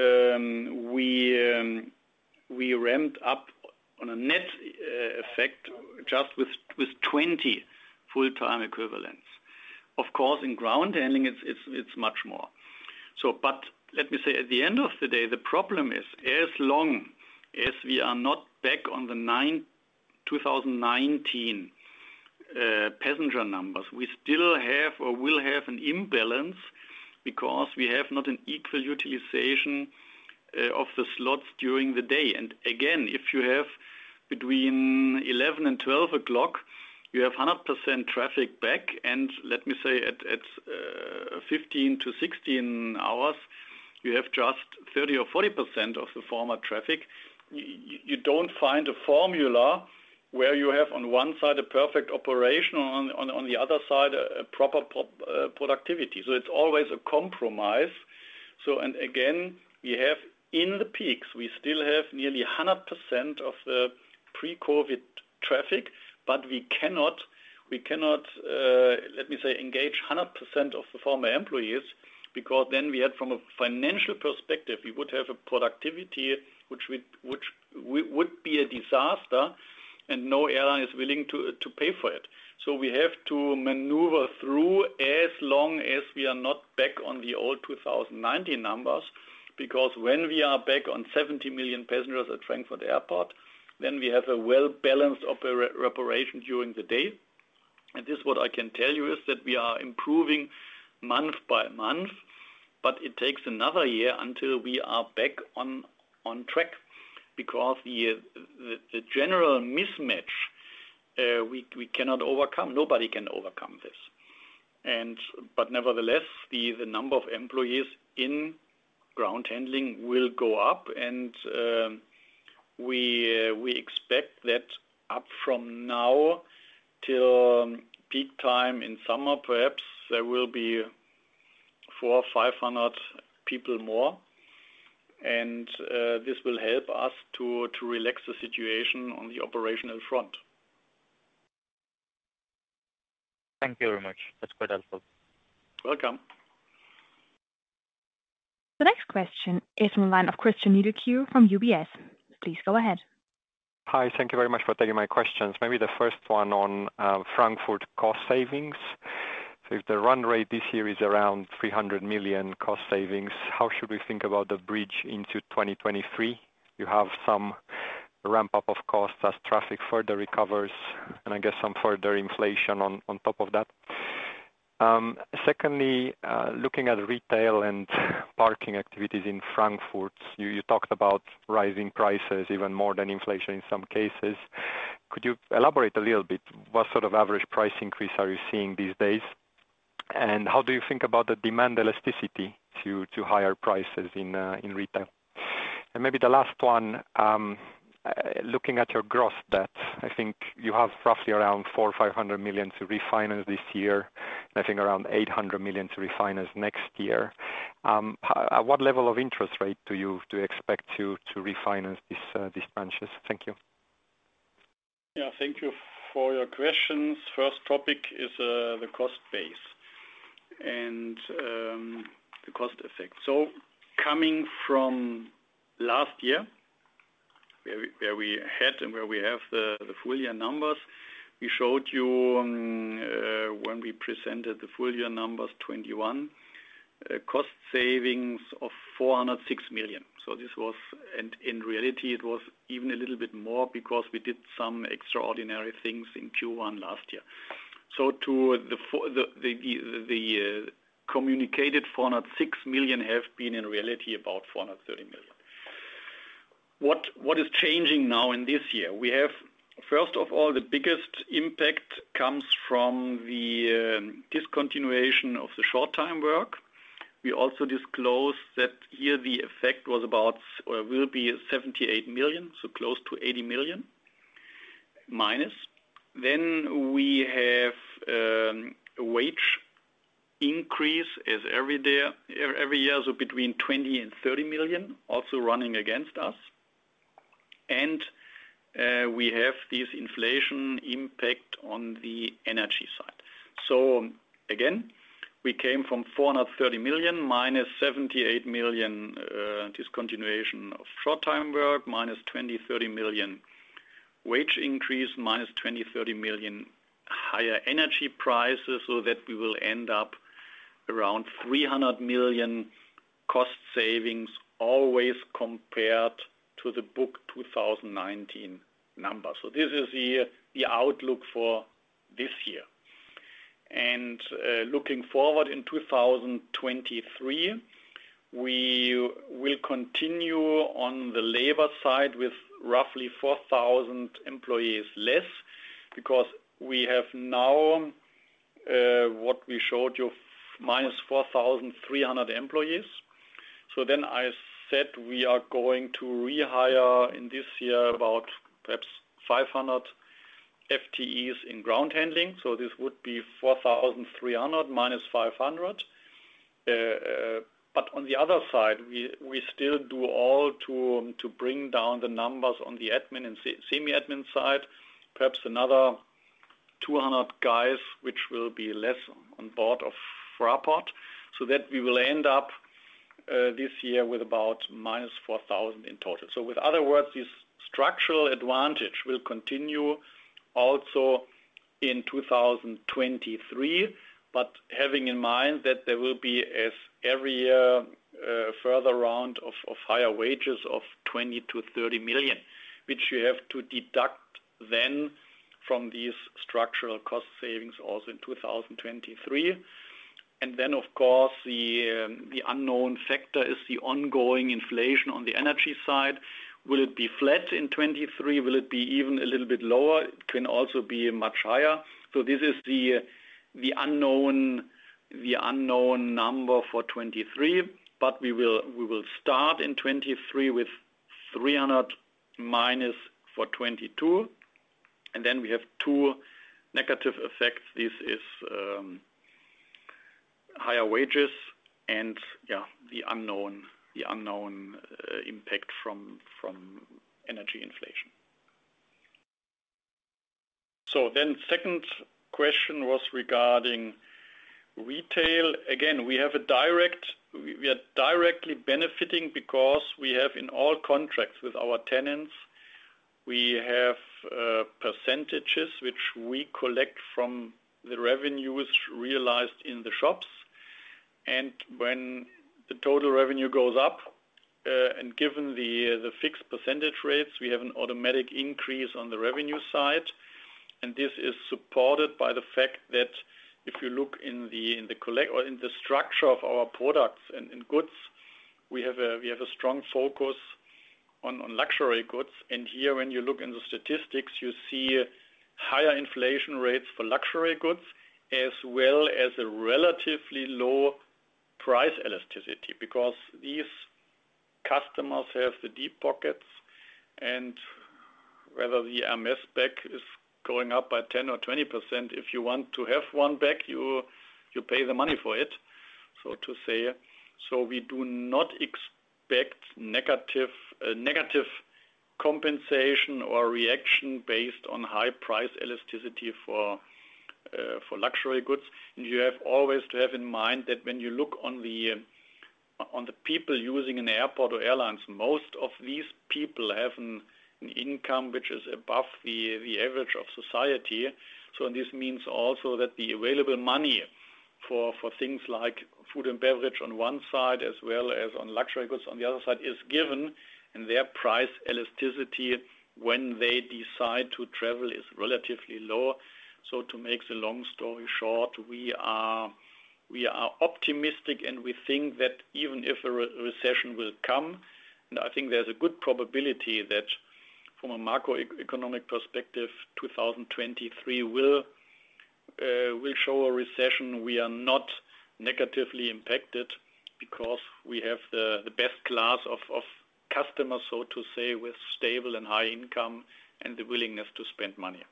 we ramped up on a net effect just with 20 full-time equivalents. Of course, in ground handling it's much more. Let me say, at the end of the day, the problem is as long as we are not back to 2019 passenger numbers, we still have or will have an imbalance because we have not an equal utilization of the slots during the day. Again, if you have between 11 and 12 o'clock, you have 100% traffic back. Let me say at 13-16 hours, you have just 30% or 40% of the former traffic. You don't find a formula where you have on one side a perfect operation, on the other side a proper productivity. It's always a compromise. Again, we have in the peaks, we still have nearly 100% of the pre-COVID traffic, but we cannot let me say, engage 100% of the former employees because then we had from a financial perspective, we would have a productivity which would be a disaster, and no airline is willing to pay for it. We have to maneuver through as long as we are not back on the old 2019 numbers. Because when we are back on 70 million passengers at Frankfurt Airport, then we have a well-balanced operation during the day. This is what I can tell you, is that we are improving month by month, but it takes another year until we are back on track because the general mismatch we cannot overcome. Nobody can overcome this. Nevertheless, the number of employees in ground handling will go up and we expect that up from now till peak time in summer, perhaps there will be 400 or 500 people more. This will help us to relax the situation on the operational front. Thank you very much. That's quite helpful. Welcome. The next question is from the line of Cristian Nedelcu from UBS. Please go ahead. Hi. Thank you very much for taking my questions. Maybe the first one on Frankfurt cost savings. If the run rate this year is around 300 million cost savings, how should we think about the bridge into 2023? You have some ramp up of costs as traffic further recovers and I guess some further inflation on top of that. Secondly, looking at retail and parking activities in Frankfurt, you talked about rising prices even more than inflation in some cases. Could you elaborate a little bit? What sort of average price increase are you seeing these days? And how do you think about the demand elasticity to higher prices in retail? Maybe the last one, looking at your gross debt, I think you have roughly around 400 million or 500 million to refinance this year and I think around 800 million to refinance next year. At what level of interest rate do you expect to refinance these tranches? Thank you. Yeah, thank you for your questions. First topic is the cost base and the cost effect. Coming from last year where we had and where we have the full year numbers, we showed you when we presented the full year numbers 2021 cost savings of 406 million. This was, and in reality it was even a little bit more because we did some extraordinary things in Q1 last year. To the communicated 406 million have been in reality about 430 million. What is changing now in this year? We have, first of all, the biggest impact comes from the discontinuation of the short time work. We also disclosed that here the effect was about or will be 78 million, so close to 80 million minus. We have a wage increase every year, so between 20 million and 30 million also running against us. We have this inflation impact on the energy side. We came from 430 million minus 78 million, discontinuation of short time work, minus 20-30 million wage increase, minus 20-30 million higher energy prices, so that we will end up around 300 million cost savings always compared to the book 2019 numbers. This is the outlook for this year. Looking forward in 2023, we will continue on the labor side with roughly 4,000 employees less because we have now what we showed you, -4,300 employees. I said we are going to rehire in this year about perhaps 500 FTEs in ground handling. This would be 4,300 minus 500. But on the other side, we still do all to bring down the numbers on the admin and semi-admin side, perhaps another 200 guys, which will be less on board of Fraport, so that we will end up this year with about minus 4,000 in total. In other words, this structural advantage will continue also in 2023. Having in mind that there will be as every year further round of higher wages of 20 million-30 million, which you have to deduct then from these structural cost savings also in 2023. Of course the unknown factor is the ongoing inflation on the energy side. Will it be flat in 2023? Will it be even a little bit lower? It can also be much higher. This is the unknown number for 2023. We will start in 2023 with 300 million in 2022, and then we have two negative effects. This is higher wages and the unknown impact from energy inflation. Second question was regarding retail. Again, we have a direct... We are directly benefiting because we have in all contracts with our tenants, we have percentages which we collect from the revenues realized in the shops. When the total revenue goes up, and given the fixed percentage rates, we have an automatic increase on the revenue side. This is supported by the fact that if you look in the collection or in the structure of our products and goods, we have a strong focus on luxury goods. Here, when you look in the statistics, you see higher inflation rates for luxury goods, as well as a relatively low price elasticity because these customers have the deep pockets and whether the Hermès bag is going up by 10% or 20%, if you want to have one bag, you pay the money for it, so to say. We do not expect negative compensation or reaction based on high price elasticity for luxury goods. You have always to have in mind that when you look on the people using an airport or airlines, most of these people have an income which is above the average of society. This means also that the available money for things like food and beverage on one side as well as on luxury goods on the other side is given and their price elasticity when they decide to travel is relatively low. To make the long story short, we are optimistic, and we think that even if a recession will come, and I think there's a good probability that from a macroeconomic perspective, 2023 will show a recession. We are not negatively impacted because we have the best class of customers, so to say, with stable and high income and the willingness to spend money.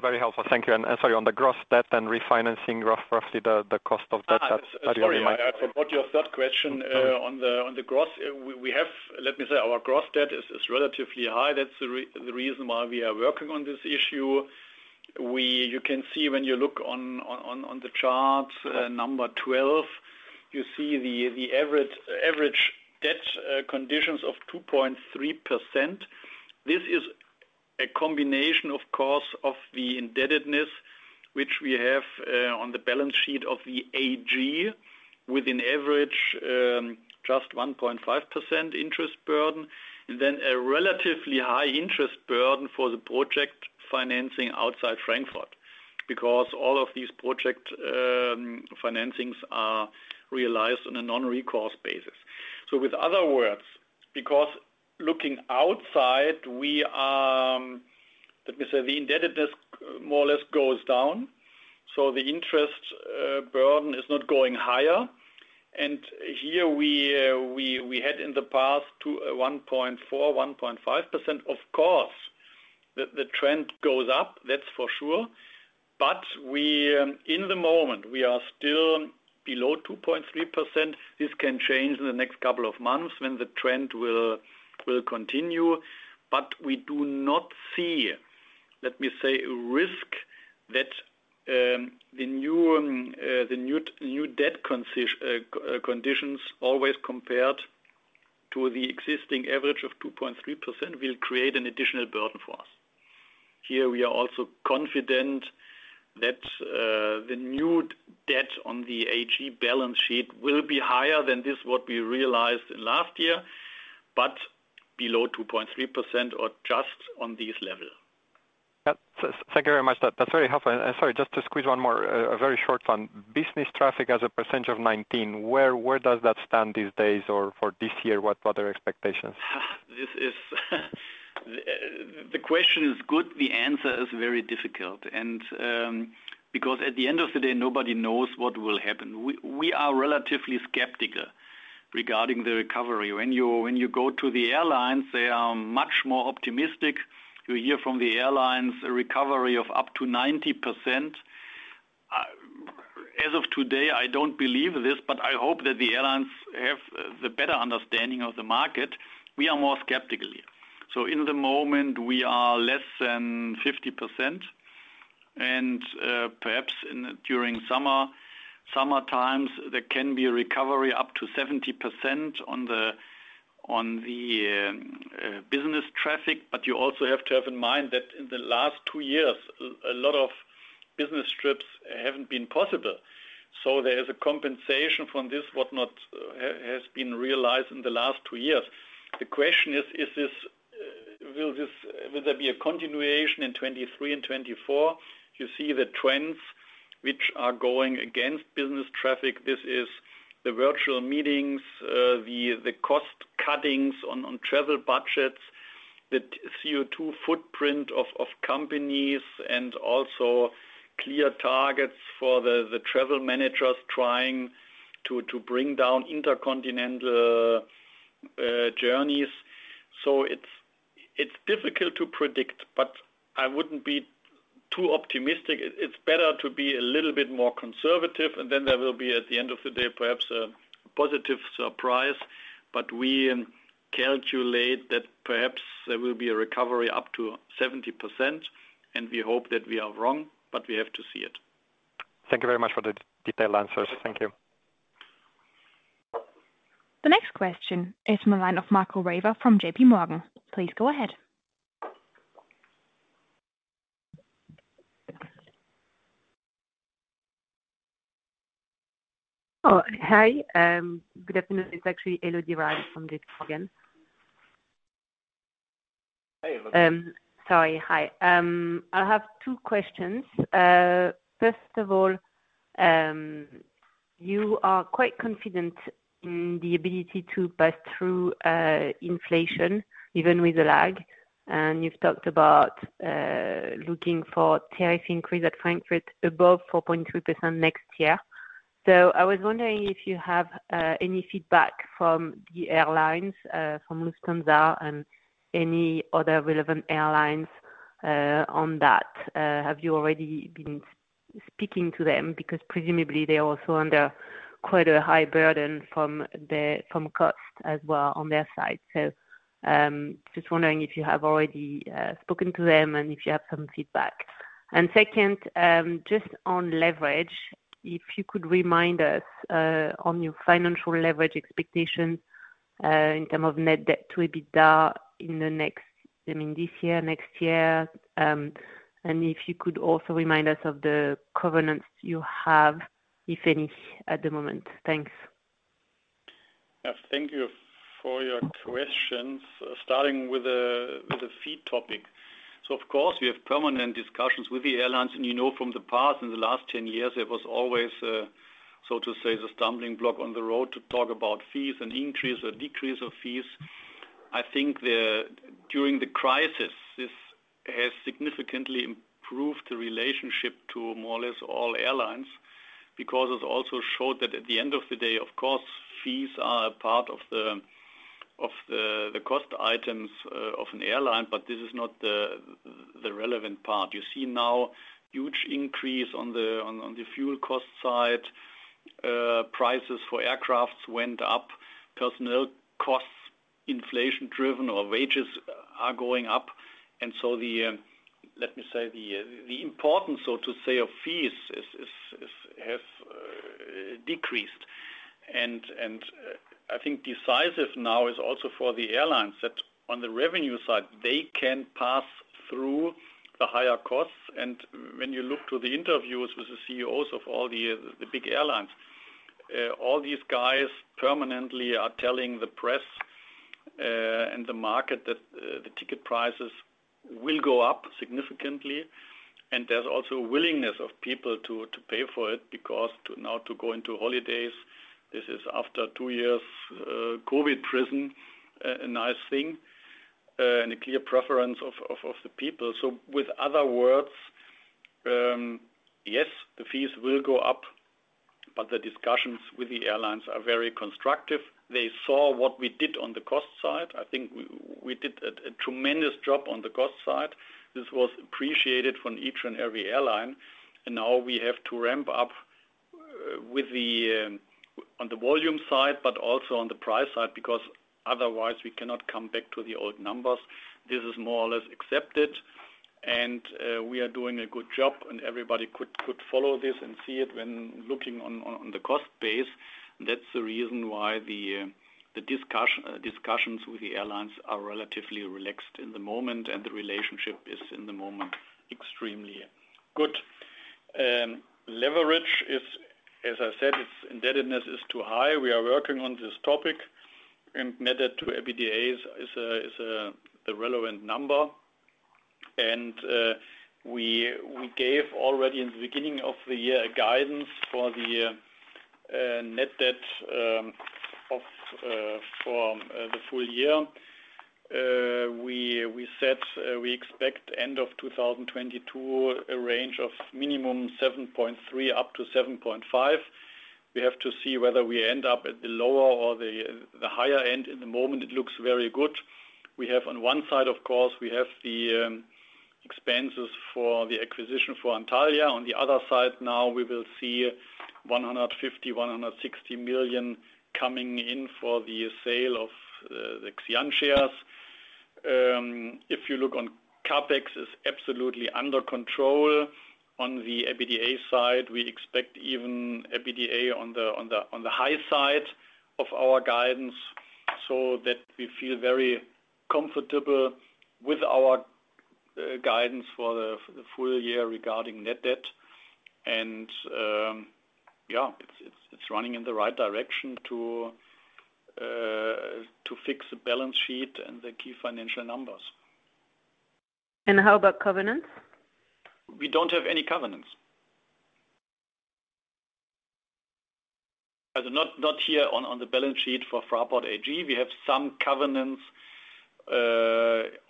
Very helpful. Thank you. Sorry, on the gross debt and refinancing roughly the cost of that. Sorry, I forgot your third question on the gross. We have. Let me say our gross debt is relatively high. That's the reason why we are working on this issue. You can see when you look on the chart number 12, you see the average debt conditions of 2.3%. This is a combination, of course, of the indebtedness which we have on the balance sheet of the AG with an average just 1.5% interest burden, and then a relatively high interest burden for the project financing outside Frankfurt because all of these project financings are realized on a non-recourse basis. In other words, because looking outside, we are, let me say, the indebtedness more or less goes down, so the interest burden is not going higher. Here we had in the past 1.4%-1.5%. Of course, the trend goes up, that's for sure. We, at the moment, we are still below 2.3%. This can change in the next couple of months when the trend will continue. We do not see, let me say, a risk that the new debt conditions always compared to the existing average of 2.3% will create an additional burden for us. Here we are also confident that the new debt on the AG balance sheet will be higher than what we realized in last year, but below 2.3% or just on this level. Yeah. Thank you very much. That's very helpful. Sorry, just to squeeze one more, a very short one. Business traffic as a percentage of 19, where does that stand these days or for this year? What are expectations? The question is good, the answer is very difficult. Because at the end of the day, nobody knows what will happen. We are relatively skeptical regarding the recovery. When you go to the airlines, they are much more optimistic. You hear from the airlines a recovery of up to 90%. As of today, I don't believe this, but I hope that the airlines have the better understanding of the market. We are more skeptical here. At the moment we are less than 50%, and perhaps during summertime, there can be a recovery up to 70% on the business traffic. You also have to have in mind that in the last two years, a lot of business trips haven't been possible. There is a compensation from this what has not been realized in the last two years. The question is, will there be a continuation in 2023 and 2024? You see the trends which are going against business traffic. This is the virtual meetings, the cost cuttings on travel budgets, the CO2 footprint of companies and also clear targets for the travel managers trying to bring down intercontinental journeys. It's difficult to predict, but I wouldn't be too optimistic. It's better to be a little bit more conservative, and then there will be, at the end of the day, perhaps a positive surprise. We calculate that perhaps there will be a recovery up to 70%, and we hope that we are wrong, but we have to see it. Thank you very much for the detailed answers. Thank you. The next question is from the line of Elodie Rall from JPMorgan. Please go ahead. Oh, hi. Good afternoon. It's actually Elodie Rall from JPMorgan. Hey, Elodie. Sorry. Hi. I have two questions. First of all, you are quite confident in the ability to pass through inflation even with the lag. You've talked about looking for tariff increase at Frankfurt above 4.2% next year. I was wondering if you have any feedback from the airlines, from Lufthansa and any other relevant airlines, on that. Have you already been speaking to them? Because presumably they are also under quite a high burden from the cost as well on their side. Just wondering if you have already spoken to them and if you have some feedback. Second, just on leverage, if you could remind us on your financial leverage expectations in terms of net debt to EBITDA in the next, I mean this year, next year. If you could also remind us of the covenants you have, if any, at the moment. Thanks. Yeah. Thank you for your questions. Starting with the fee topic. Of course, we have permanent discussions with the airlines and you know from the past, in the last 10 years, there was always a, so to say, the stumbling block on the road to talk about fees and increase or decrease of fees. I think during the crisis, this has significantly improved the relationship to more or less all airlines, because it also showed that at the end of the day, of course, fees are a part of the cost items of an airline, but this is not the relevant part. You see now huge increase on the fuel cost side. Prices for aircraft went up. Personnel costs, inflation driven or wages are going up. Let me say the importance, so to say, of fees has decreased. I think decisive now is also for the airlines that on the revenue side, they can pass through the higher costs. When you look to the interviews with the CEOs of all the big airlines, all these guys permanently are telling the press and the market that the ticket prices will go up significantly. There's also willingness of people to pay for it because now to go into holidays, this is after two years COVID prison, a nice thing, and a clear preference of the people. In other words, yes, the fees will go up, but the discussions with the airlines are very constructive. They saw what we did on the cost side. I think we did a tremendous job on the cost side. This was appreciated from each and every airline. Now we have to ramp up on the volume side, but also on the price side, because otherwise we cannot come back to the old numbers. This is more or less accepted, and we are doing a good job and everybody could follow this and see it when looking on the cost base. That's the reason why the discussions with the airlines are relatively relaxed in the moment and the relationship is, in the moment, extremely good. Leverage is, as I said, its indebtedness is too high. We are working on this topic and net debt to EBITDA is the relevant number. We gave already in the beginning of the year a guidance for the net debt from the full year. We said we expect end of 2022 a range of minimum 7.3 up to 7.5. We have to see whether we end up at the lower or the higher end. At the moment it looks very good. We have on one side, of course, we have the expenses for the acquisition for Antalya. On the other side now we will see 150-160 million coming in for the sale of the Xi'an shares. If you look on CapEx is absolutely under control. On the EBITDA side, we expect even EBITDA on the high side of our guidance, so that we feel very comfortable with our guidance for the full year regarding net debt. It's running in the right direction to fix the balance sheet and the key financial numbers. How about covenants? We don't have any covenants. As of now, not here on the balance sheet for Fraport AG. We have some covenants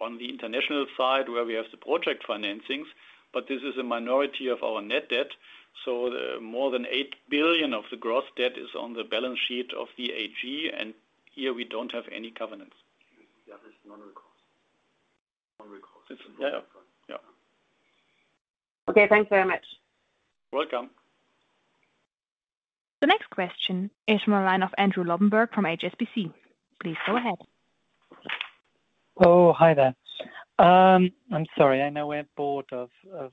on the international side where we have the project financings, but this is a minority of our net debt. The more than 8 billion of the gross debt is on the balance sheet of the AG, and here we don't have any covenants. Yeah, there's non-recourse. Yeah. Yeah. Okay. Thanks very much. Welcome. The next question is from the line of Andrew Lobbenberg from HSBC. Please go ahead. Hi there. I'm sorry. I know we're bored of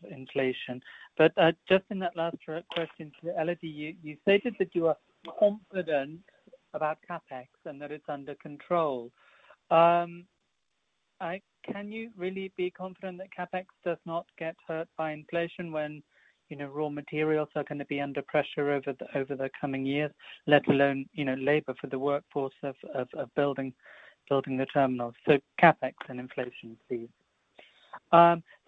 inflation, but just in that last question to Elodie, you stated that you are confident about CapEx and that it's under control. Can you really be confident that CapEx does not get hurt by inflation when, you know, raw materials are gonna be under pressure over the coming years, let alone, you know, labor for the workforce of building the terminals? CapEx and inflation please.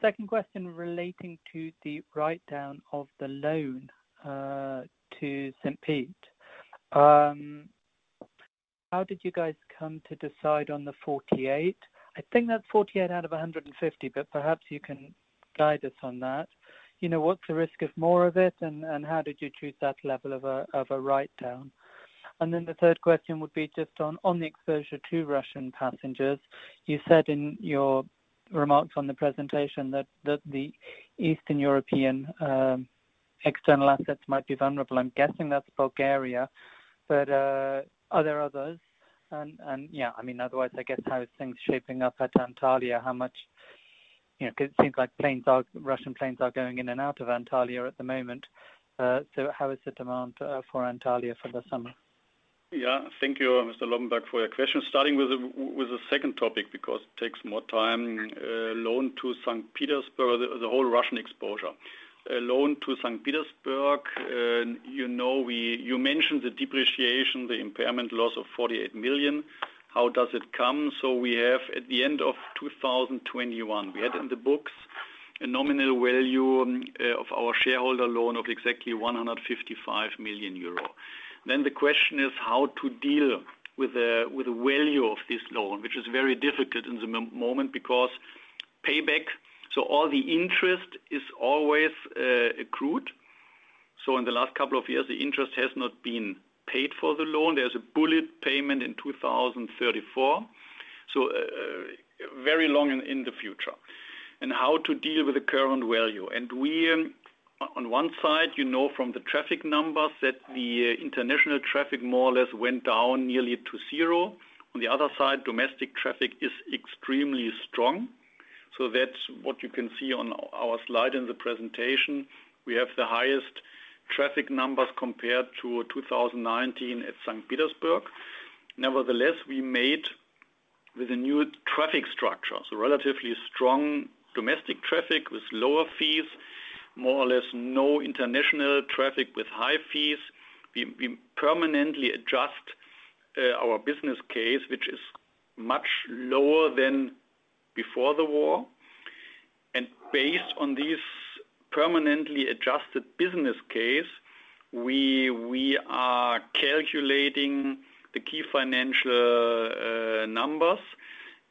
Second question relating to the write down of the loan to St. Pete. How did you guys come to decide on the 48? I think that's 48 out of 150, but perhaps you can guide us on that. You know, what's the risk of more of it and how did you choose that level of a write down? Then the third question would be just on the exposure to Russian passengers. You said in your remarks on the presentation that the Eastern European external assets might be vulnerable. I'm guessing that's Bulgaria, but are there others? Yeah, I mean, otherwise, I guess how are things shaping up at Antalya? You know, 'cause it seems like Russian planes are going in and out of Antalya at the moment. So how is the demand for Antalya for the summer? Yeah. Thank you, Mr. Lobbenberg, for your question. Starting with the second topic because it takes more time, loan to Saint Petersburg, the whole Russian exposure. You mentioned the depreciation, the impairment loss of 48 million. How does it come? We have at the end of 2021, we had in the books a nominal value of our shareholder loan of exactly 155 million euro. Then the question is how to deal with the value of this loan, which is very difficult in the moment because payback to all the interest is always accrued. In the last couple of years, the interest has not been paid for the loan. There's a bullet payment in 2034, so very long in the future. How to deal with the current value. We, on one side, you know from the traffic numbers that the international traffic more or less went down nearly to zero. On the other side, domestic traffic is extremely strong. That's what you can see on our slide in the presentation. We have the highest traffic numbers compared to 2019 at Saint Petersburg. Nevertheless, we made with a new traffic structure, so relatively strong domestic traffic with lower fees, more or less no international traffic with high fees. We permanently adjust our business case, which is much lower than before the war. Based on this permanently adjusted business case, we are calculating the key financial numbers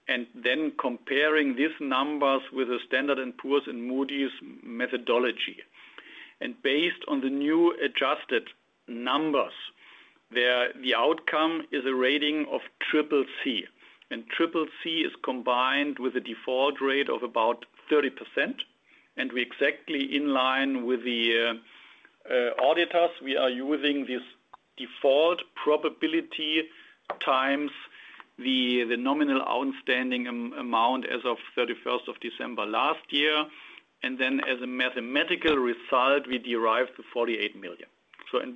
and then comparing these numbers with the Standard & Poor's and Moody's methodology. Based on the new adjusted numbers, the outcome is a rating of CCC. CCC is combined with a default rate of about 30%. We're exactly in line with the auditors. We are using this default probability times the nominal outstanding amount as of 31 December last year. Then as a mathematical result, we derive the 48 million.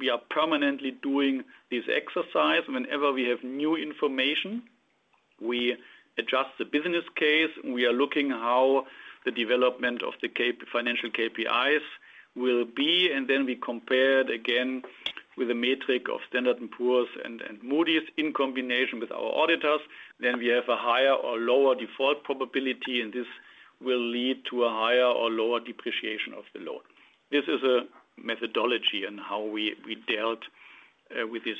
We are permanently doing this exercise. Whenever we have new information, we adjust the business case, and we are looking how the development of the key financial KPIs will be, and then we compare it again with a metric of Standard & Poor's and Moody's in combination with our auditors. Then we have a higher or lower default probability, and this will lead to a higher or lower depreciation of the loan. This is a methodology on how we dealt with this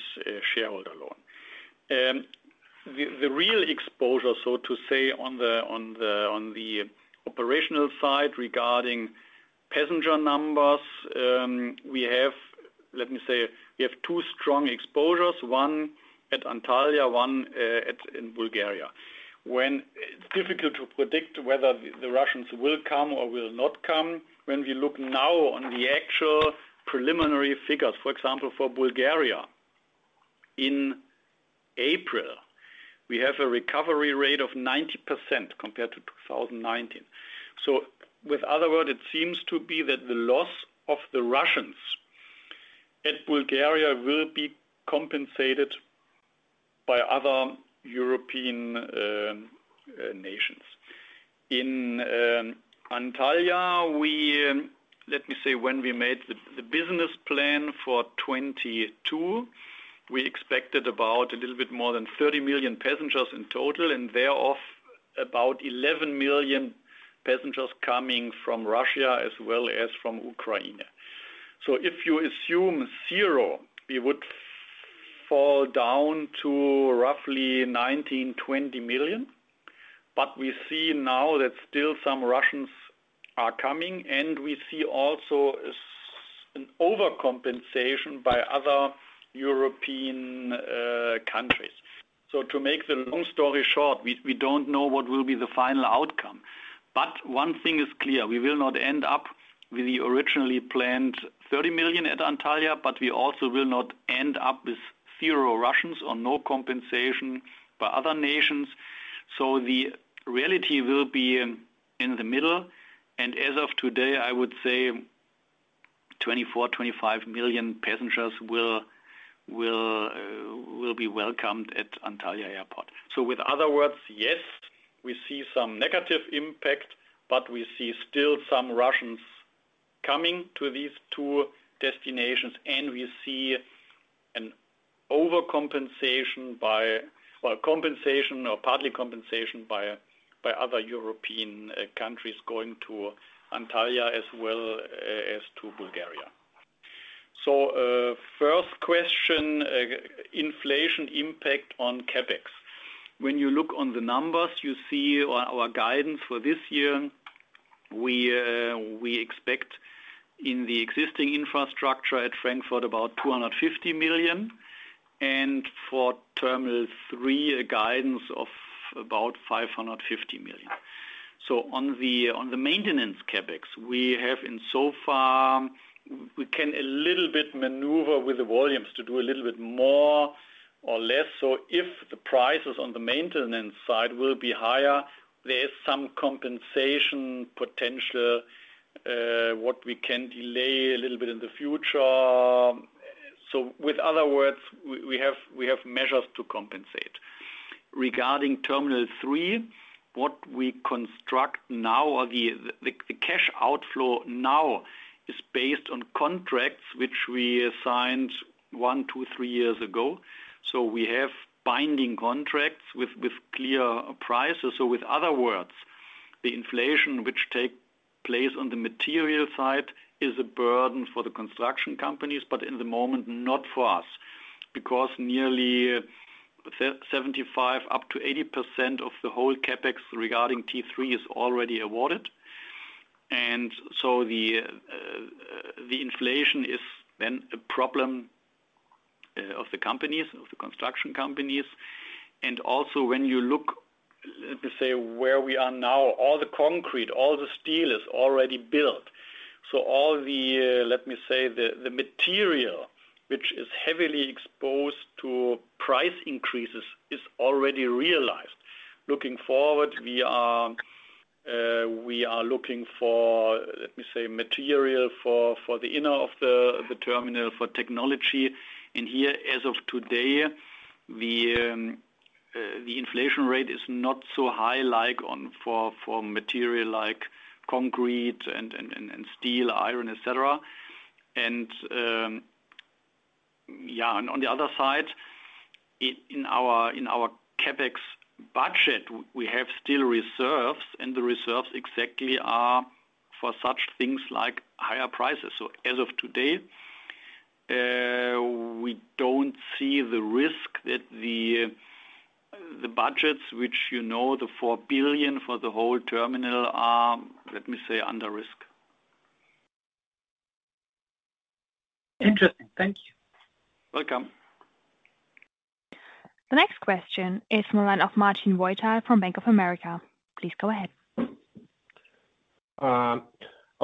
shareholder loan. The real exposure, so to say, on the operational side regarding passenger numbers, we have, let me say, two strong exposures, one at Antalya, one in Bulgaria. It's difficult to predict whether the Russians will come or will not come. When we look now at the actual preliminary figures, for example, for Bulgaria, in April, we have a recovery rate of 90% compared to 2019. In other words, it seems that the loss of the Russians in Bulgaria will be compensated by other European nations. In Antalya, let me say, when we made the business plan for 2022, we expected about a little bit more than 30 million passengers in total, and thereof, about 11 million passengers coming from Russia as well as from Ukraine. If you assume zero, we would fall down to roughly 19-20 million. We see now that still some Russians are coming, and we see also an overcompensation by other European countries. To make the long story short, we don't know what will be the final outcome. One thing is clear, we will not end up with the originally planned 30 million at Antalya, but we also will not end up with zero Russians or no compensation by other nations. The reality will be in the middle. As of today, I would say 24-25 million passengers will be welcomed at Antalya Airport. In other words, yes, we see some negative impact, but we see still some Russians coming to these two destinations, and we see an overcompensation by compensation or partly compensation by other European countries going to Antalya as well as to Bulgaria. First question, inflation impact on CapEx. When you look at the numbers, you see our guidance for this year. We expect in the existing infrastructure at Frankfurt about 250 million, and for Terminal 3, a guidance of about 550 million. On the maintenance CapEx, we have so far we can a little bit maneuver with the volumes to do a little bit more or less. If the prices on the maintenance side will be higher, there is some compensation potential, that we can delay a little bit in the future. In other words, we have measures to compensate. Regarding Terminal 3, what we construct now or the cash outflow now is based on contracts which we signed 1, 2, 3 years ago. We have binding contracts with clear prices. In other words, the inflation which take place on the material side is a burden for the construction companies, but at the moment, not for us. Because nearly 75%-80% of the whole CapEx regarding T3 is already awarded. The inflation is then a problem of the companies, of the construction companies. Also when you look, let me say, where we are now, all the concrete, all the steel is already built. All the let me say, the material which is heavily exposed to price increases is already realized. Looking forward, we are looking for, let me say, material for the inner of the terminal for technology. Here, as of today, the inflation rate is not so high like on for material like concrete and steel, iron, et cetera. On the other side, in our CapEx budget, we have still reserves, and the reserves exactly are for such things like higher prices. As of today, we don't see the risk that the budgets which, you know, the 4 billion for the whole terminal are, let me say, under risk. Interesting. Thank you. Welcome. The next question is from the line of Marcin Wojtal from Bank of America. Please go ahead.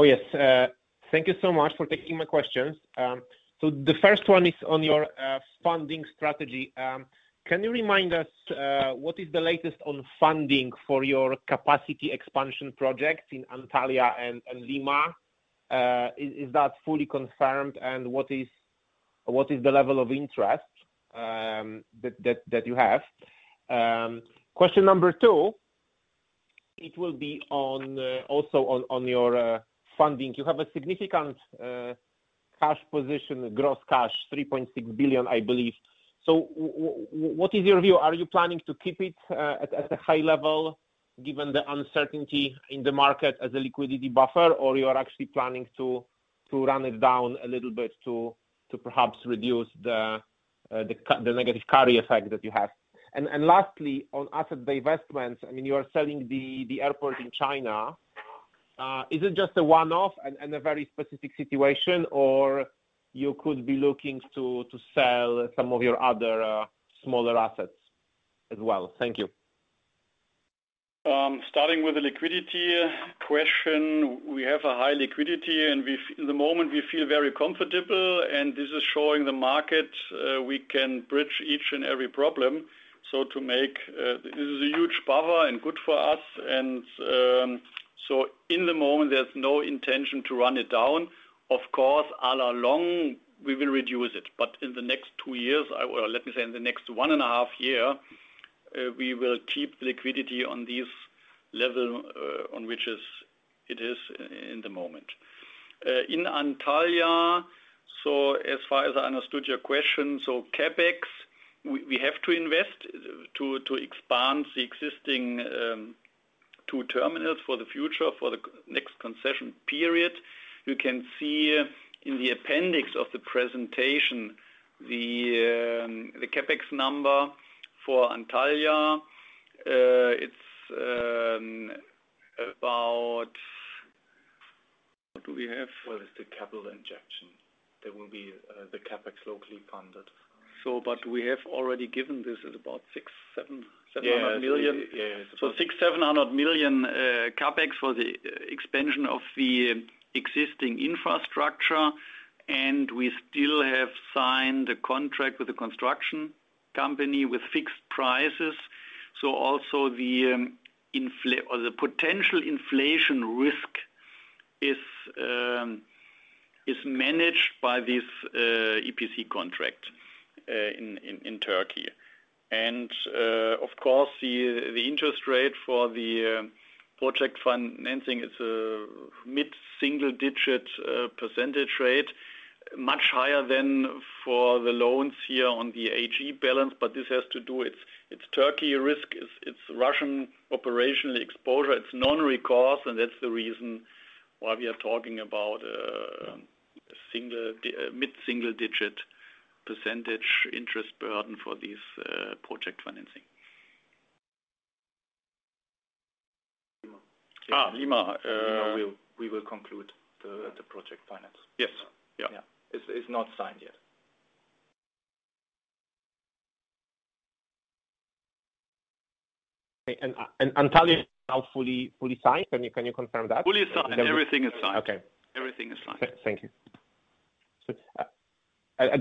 Yes. Thank you so much for taking my questions. So the first one is on your funding strategy. Can you remind us what is the latest on funding for your capacity expansion projects in Antalya and Lima? Is that fully confirmed? And what is the level of interest that you have? Question number two, it will be on also on your funding. You have a significant cash position, gross cash, 3.6 billion, I believe. So what is your view? Are you planning to keep it at a high level given the uncertainty in the market as a liquidity buffer, or you are actually planning to run it down a little bit to perhaps reduce the negative carry effect that you have? Lastly, on asset divestments, I mean, you are selling the airport in China. Is it just a one-off and a very specific situation, or you could be looking to sell some of your other smaller assets as well? Thank you. Starting with the liquidity question, we have a high liquidity, and at the moment, we feel very comfortable, and this is showing the market we can bridge each and every problem. This is a huge buffer and good for us, and in the moment, there's no intention to run it down. Of course, all along, we will reduce it. In the next two years, let me say in the next one and a half year, we will keep liquidity on this level, on which is it is in the moment. In Antalya, as far as I understood your question, CapEx, we have to invest to expand the existing two terminals for the future, for the next concession period. You can see in the appendix of the presentation the CapEx number for Antalya. It's about what do we have? Well, it's the capital injection. There will be the CapEx locally funded. We have already given this. It's about 677 million. Yeah. Yeah. 600 million-700 million CapEx for the expansion of the existing infrastructure, and we still have signed the contract with the construction company with fixed prices. Also the potential inflation risk is managed by this EPC contract in Turkey. Of course, the interest rate for the project financing is mid-single-digit percentage rate, much higher than for the loans here on the AG balance, but this has to do with its Turkey risk, its Russian operational exposure. It's non-recourse, and that's the reason why we are talking about a mid-single-digit percentage interest burden for this project financing. Lima. Lima. Lima, we will conclude the project finance. Yes. Yeah. Yeah. It's not signed yet. Antalya is now fully signed? Can you confirm that? Fully signed. Everything is signed. Okay. Everything is signed. Thank you. There was a question about. Lima will happen in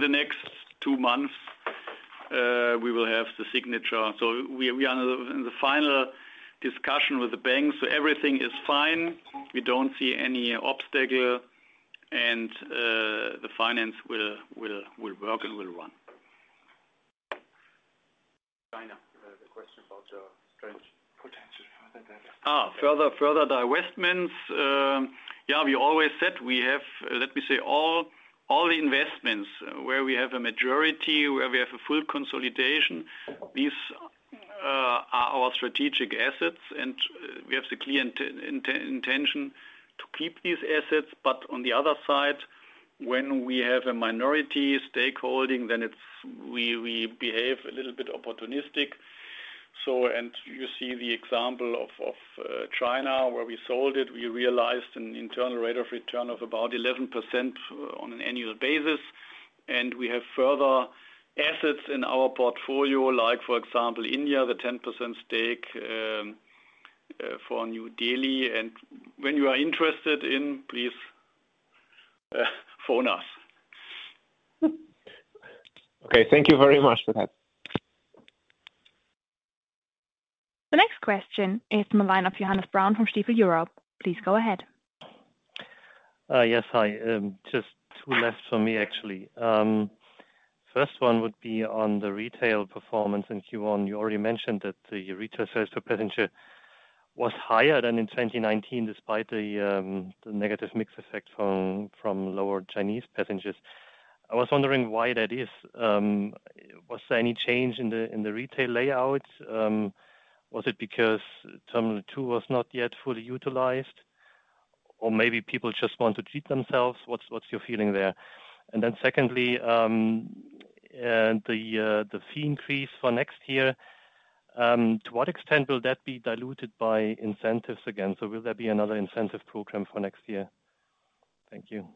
the next two months. We will have the signature. We are in the final discussion with the bank, so everything is fine. We don't see any obstacle, and the finance will work and will run. China. The question about your potential divestment. Further divestments. We always said we have, let me say all the investments where we have a majority, where we have a full consolidation, these are our strategic assets, and we have the clear intention to keep these assets. But on the other side, when we have a minority stakeholding, then it's we behave a little bit opportunistic. You see the example of China, where we sold it. We realized an internal rate of return of about 11% on an annual basis. We have further assets in our portfolio, like for example, India, the 10% stake for New Delhi. When you are interested in, please phone us. Okay. Thank you very much for that. The next question is the line of Johannes Braun from Stifel Europe. Please go ahead. Yes. Hi. Just two last from me, actually. First one would be on the retail performance in Q1. You already mentioned that the retail sales to passenger was higher than in 2019 despite the negative mix effect from lower Chinese passengers. I was wondering why that is. Was there any change in the retail layout? Was it because Terminal 2 was not yet fully utilized? Or maybe people just want to treat themselves? What's your feeling there? Secondly, the fee increase for next year, to what extent will that be diluted by incentives again? Will there be another incentive program for next year? Thank you.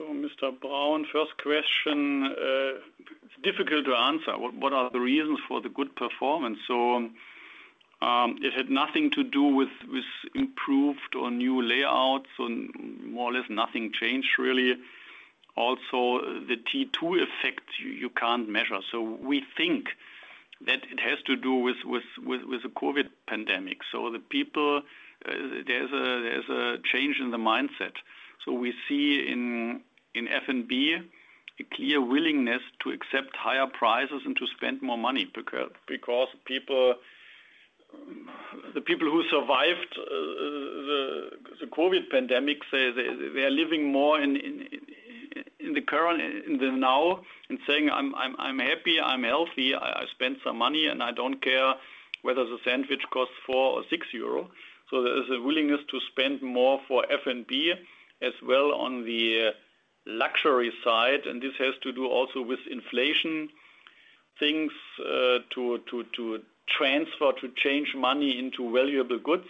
Mr. Braun, first question, it's difficult to answer what are the reasons for the good performance. It had nothing to do with improved or new layouts. More or less nothing changed really. Also the T2 effect you can't measure. We think that it has to do with the COVID pandemic. The people, there's a change in the mindset. We see in F&B a clear willingness to accept higher prices and to spend more money because people. The people who survived the COVID pandemic say they are living more in the current, in the now and saying, "I'm happy, I'm healthy. I spent some money, and I don't care whether the sandwich costs 4 or 6 euro." There is a willingness to spend more for F&B as well on the luxury side, and this has to do also with inflation things, to transfer to change money into valuable goods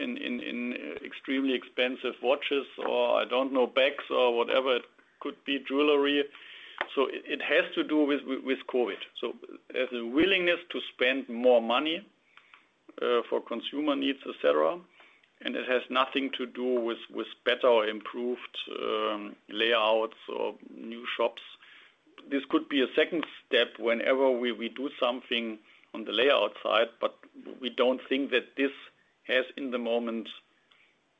in extremely expensive watches or, I don't know, bags or whatever it could be, jewelry. It has to do with COVID. There's a willingness to spend more money for consumer needs, et cetera. It has nothing to do with better or improved layouts or new shops. This could be a second step whenever we do something on the layout side, but we don't think that this has, in the moment,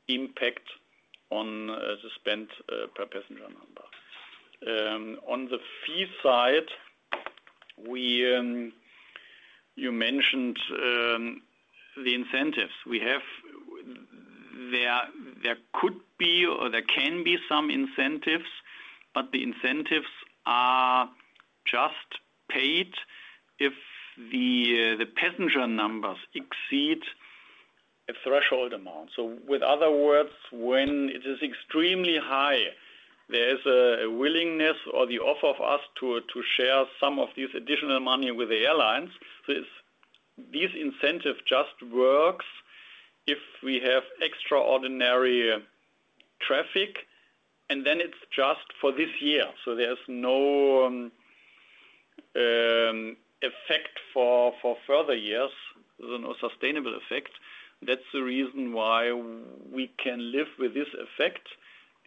impact on the spend per passenger number. On the fee side, we You mentioned the incentives. There could be or there can be some incentives, but the incentives are just paid if the passenger numbers exceed a threshold amount. In other words, when it is extremely high, there is a willingness or our offer to share some of this additional money with the airlines. This incentive just works if we have extraordinary traffic, and then it's just for this year. There's no effect for further years, you know, sustainable effect. That's the reason why we can live with this effect.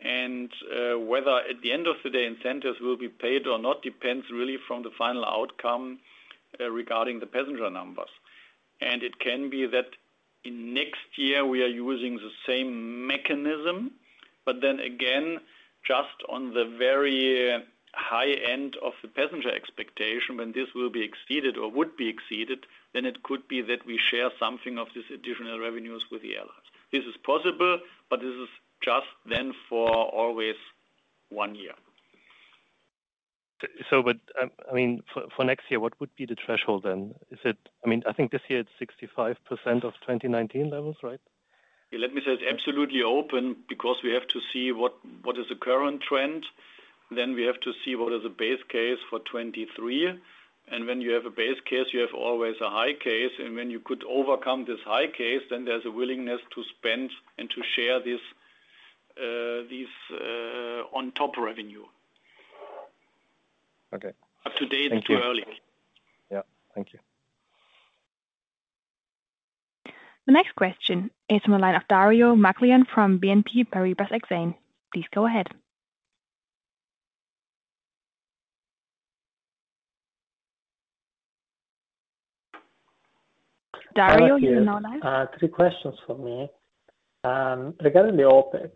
Whether at the end of the day incentives will be paid or not depends really on the final outcome regarding the passenger numbers. It can be that in next year we are using the same mechanism, but then again, just on the very high end of the passenger expectation, when this will be exceeded or would be exceeded, then it could be that we share something of this additional revenues with the airlines. This is possible, but this is just then for always one year. I mean, for next year, what would be the threshold then? I mean, I think this year it's 65% of 2019 levels, right? Let me say it's absolutely open because we have to see what is the current trend. We have to see what is the base case for 2023. When you have a base case, you have always a high case. When you could overcome this high case, then there's a willingness to spend and to share this on top revenue. Okay. Up to date Thank you. It's too early. Yeah. Thank you. The next question is from the line of Dario Maglione from BNP Paribas Exane. Please go ahead. Dario, you're now live. Three questions from me. Regarding the OpEx,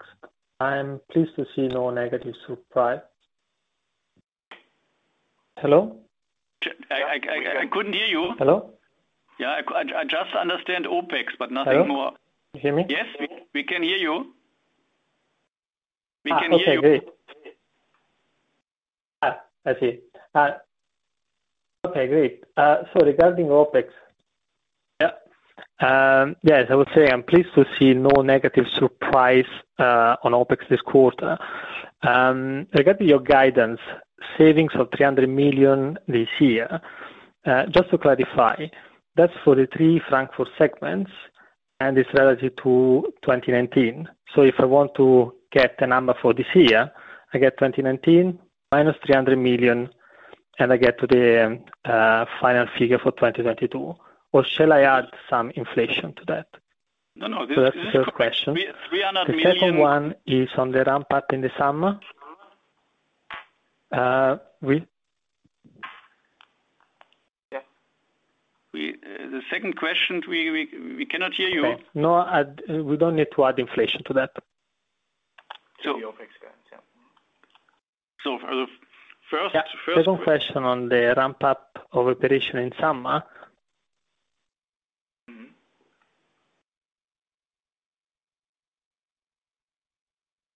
I'm pleased to see no negative surprise. Hello? I couldn't hear you. Hello? Yeah. I just understand OpEx, but nothing more. Hello? You hear me? Yes. We can hear you. We can hear you. Okay. Great. I see. Okay, great. Regarding OpEx. Yeah. Yes, I would say I'm pleased to see no negative surprise on OpEx this quarter. Regarding your guidance, savings of 300 million this year, just to clarify, that's for the three Frankfurt segments and it's relative to 2019. If I want to get a number for this year, I get 2019 minus 300 million, and I get to the final figure for 2022. Shall I add some inflation to that? No, no. First question. 300 million. The second one is on the ramp up in the summer. Yeah. The second question, we cannot hear you. Okay. No, we don't need to add inflation to that. So- The OpEx guidance, yeah. For the first. Yeah. Second question on the ramp up of operation in summer? Mm-hmm.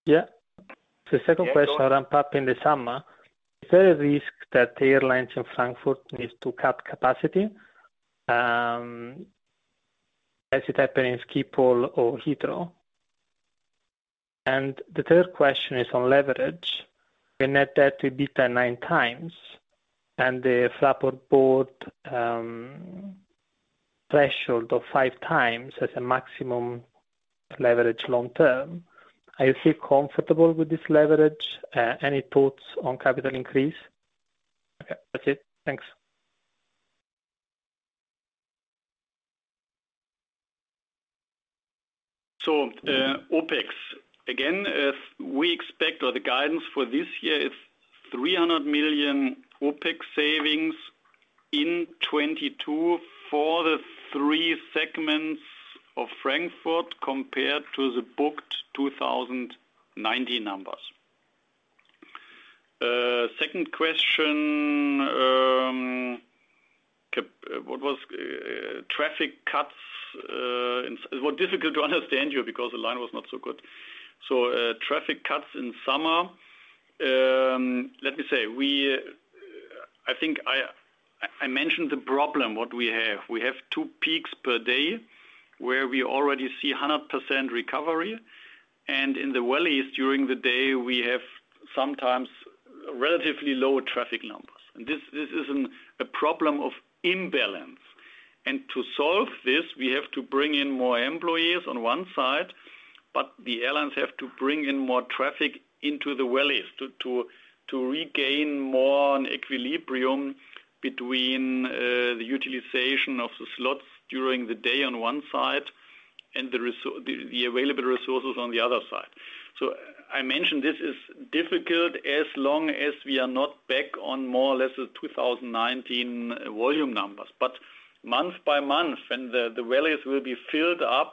Yeah. The second question on ramp up in the summer, is there a risk that the airlines in Frankfurt needs to cut capacity, as it happened in Schiphol or Heathrow? The third question is on leverage. The net debt to EBITDA 9x and the Fraport board threshold of 5x as a maximum leverage long term. Are you still comfortable with this leverage? Any thoughts on capital increase? Okay. That's it. Thanks. OpEx. Again, the guidance for this year is 300 million OpEx savings in 2022 for the three segments of Frankfurt compared to the booked 2019 numbers. Second question, what was traffic cuts in summer. It was difficult to understand you because the line was not so good. Traffic cuts in summer. Let me say, I think I mentioned the problem what we have. We have two peaks per day where we already see 100% recovery. In the valleys during the day, we have sometimes relatively low traffic numbers. This is a problem of imbalance. To solve this, we have to bring in more employees on one side, but the airlines have to bring in more traffic into the valleys to regain more of an equilibrium between the utilization of the slots during the day on one side and the available resources on the other side. I mentioned this is difficult as long as we are not back on more or less the 2019 volume numbers. Month by month when the valleys will be filled up,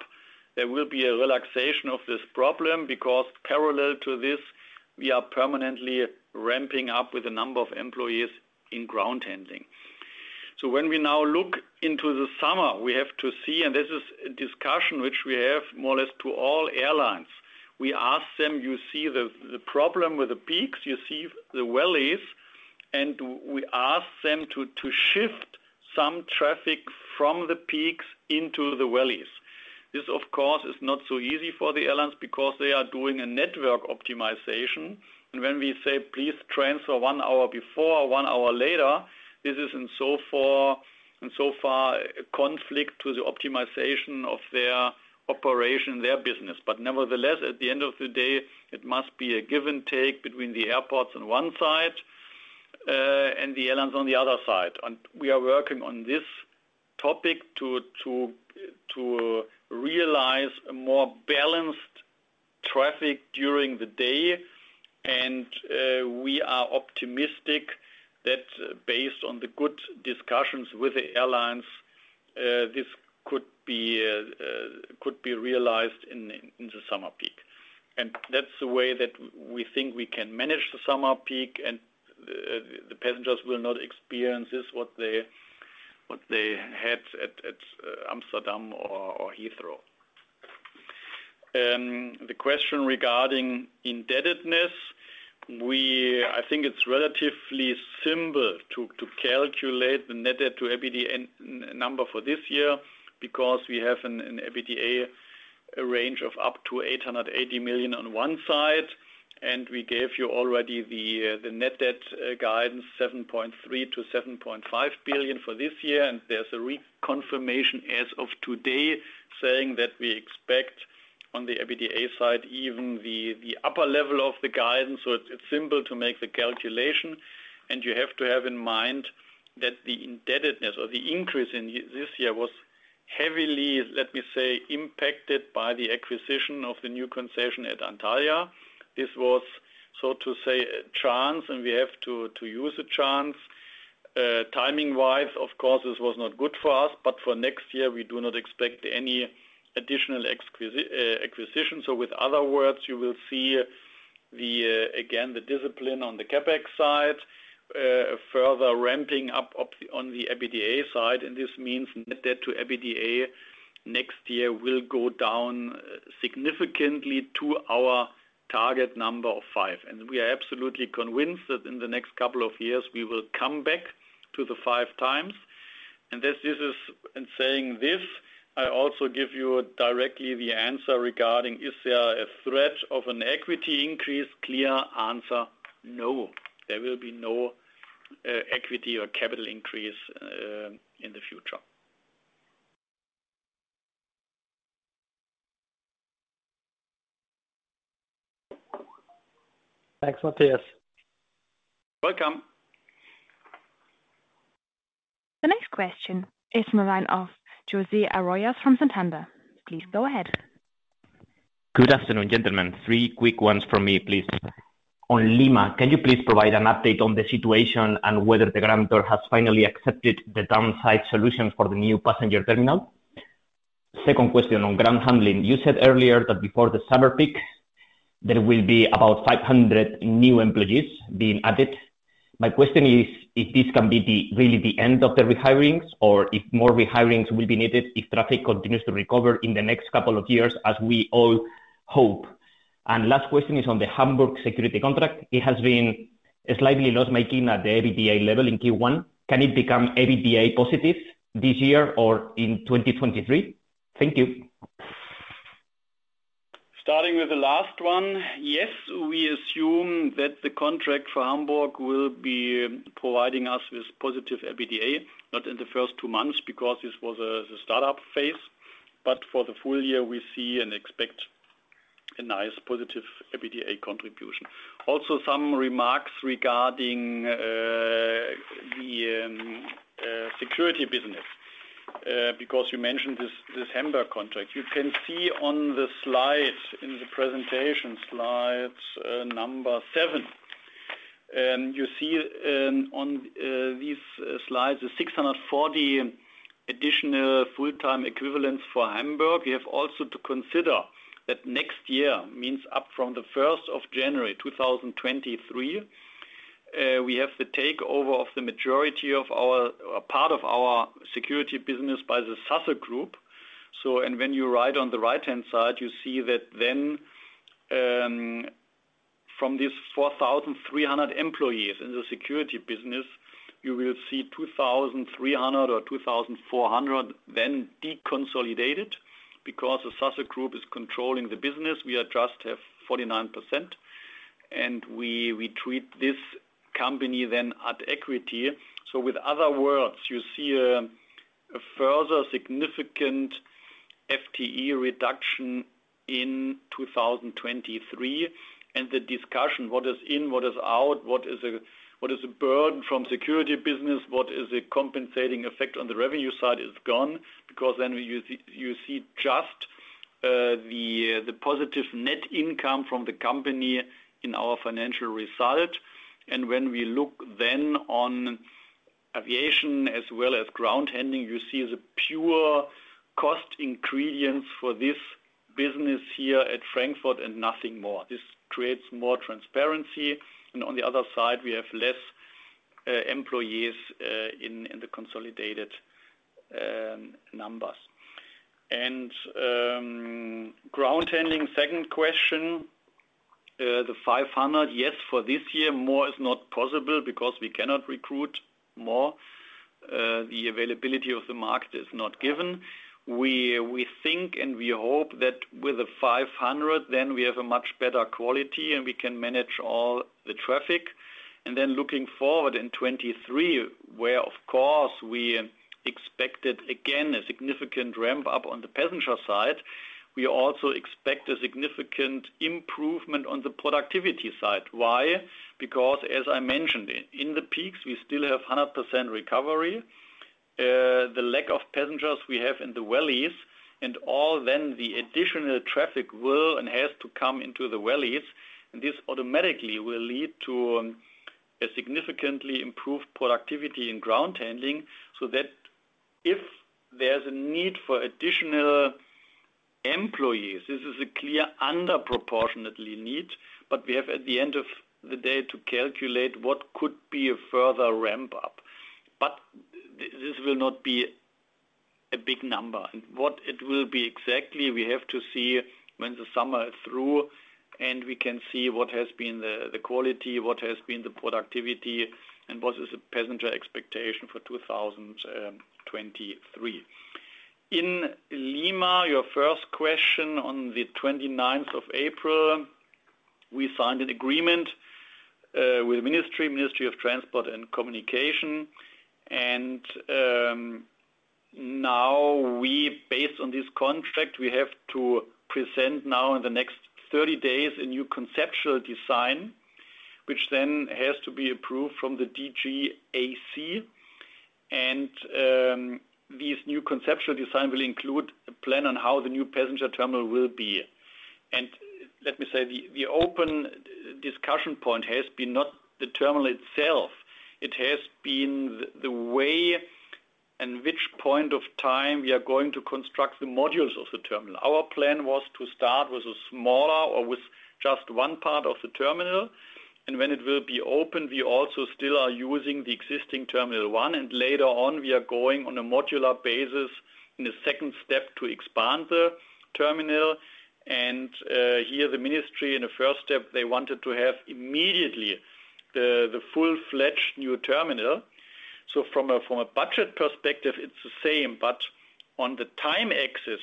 there will be a relaxation of this problem because parallel to this, we are permanently ramping up with the number of employees in ground handling. When we now look into the summer, we have to see, and this is a discussion which we have more or less to all airlines. We ask them. You see the problem with the peaks, you see the valleys, and we ask them to shift some traffic from the peaks into the valleys. This, of course, is not so easy for the airlines because they are doing a network optimization. When we say please transfer one hour before or one hour later, this is in so far a conflict to the optimization of their operation, their business. Nevertheless, at the end of the day, it must be a give and take between the airports on one side, and the airlines on the other side. We are working on this topic to realize a more balanced traffic during the day. We are optimistic that based on the good discussions with the airlines, this could be realized in the summer peak. That's the way that we think we can manage the summer peak and the passengers will not experience this what they had at Amsterdam or Heathrow. The question regarding indebtedness, I think it's relatively simple to calculate the net debt to EBITDA n-number for this year because we have an EBITDA range of up to 880 million on one side, and we gave you already the net debt guidance, 7.3 billion-7.5 billion for this year. There's a reconfirmation as of today saying that we expect on the EBITDA side, even the upper level of the guidance. It's simple to make the calculation. You have to have in mind that the indebtedness or the increase in this year was heavily, let me say, impacted by the acquisition of the new concession at Antalya. This was so to say a chance, and we have to use the chance. Timing-wise, of course, this was not good for us, but for next year we do not expect any additional acquisition. With other words, you will see again the discipline on the CapEx side, further ramping up on the EBITDA side. This means net debt to EBITDA next year will go down significantly to our target number of five. We are absolutely convinced that in the next couple of years we will come back to the 5x. This is. In saying this, I also give you directly the answer regarding is there a threat of an equity increase? Clear answer, no. There will be no equity or capital increase in the future. Thanks, Matthias. Welcome. The next question is the line of Jose Arroyas from Santander. Please go ahead. Good afternoon, gentlemen. Three quick ones from me, please. On Lima, can you please provide an update on the situation and whether the grantor has finally accepted the downsize solutions for the new passenger terminal? Second question on ground handling. You said earlier that before the summer peak, there will be about 500 new employees being added. My question is, if this can be really the end of the rehirings or if more rehirings will be needed if traffic continues to recover in the next couple of years, as we all hope? Last question is on the Hamburg security contract. It has been slightly loss-making at the EBITDA level in Q1. Can it become EBITDA positive this year or in 2023? Thank you. Starting with the last one, yes, we assume that the contract for Hamburg will be providing us with positive EBITDA, not in the first two months because this was the startup phase. For the full year, we see and expect a nice positive EBITDA contribution. Also some remarks regarding the security business, because you mentioned this Hamburg contract. You can see on the slide in the presentation, slide number seven. You see on these slides, the 640 additional full-time equivalents for Hamburg. We have also to consider that next year means up from the first of January 2023, we have the takeover of the majority of our part of our security business by the Sasse Group. When you're right on the right-hand side, you see that then from these 4,300 employees in the security business, you will see 2,300 or 2,400 then deconsolidated because the Sasse Group is controlling the business. We retain 49 percent, and we treat this company then at equity. In other words, you see a further significant FTE reduction in 2023. The discussion, what is in, what is out, what is a burden from security business, what is a compensating effect on the revenue side is gone because then you see just the positive net income from the company in our financial result. When we look then on aviation as well as ground handling, you see the pure cost ingredients for this business here at Frankfurt and nothing more. This creates more transparency. On the other side, we have less employees in the consolidated numbers. Ground handling, second question, the 500, yes, for this year, more is not possible because we cannot recruit more. The availability of the market is not given. We think and we hope that with the 500, then we have a much better quality, and we can manage all the traffic. Then looking forward in 2023, where of course we expected again a significant ramp up on the passenger side, we also expect a significant improvement on the productivity side. Why? Because as I mentioned, in the peaks, we still have 100% recovery. The lack of passengers we have in the valleys and all, then the additional traffic will and has to come into the valleys. This automatically will lead to a significantly improved productivity in ground handling, so that if there's a need for additional employees, this is a clear under proportionately need. We have at the end of the day to calculate what could be a further ramp up. This will not be a big number. What it will be exactly, we have to see when the summer is through, and we can see what has been the quality, what has been the productivity, and what is the passenger expectation for 2023. In Lima, your first question on the twenty-ninth of April, we signed an agreement with Ministry of Transportation and Communication. Now we based on this contract, we have to present now in the next 30 days a new conceptual design, which then has to be approved from the DGAC. This new conceptual design will include a plan on how the new passenger terminal will be. Let me say, the open discussion point has been not the terminal itself. It has been the way and which point of time we are going to construct the modules of the terminal. Our plan was to start with a smaller or with just one part of the terminal. When it will be open, we also still are using the existing terminal one, and later on, we are going on a modular basis in the second step to expand the terminal. Here, the ministry in the first step, they wanted to have immediately the full-fledged new terminal. From a budget perspective, it's the same, but on the time axis,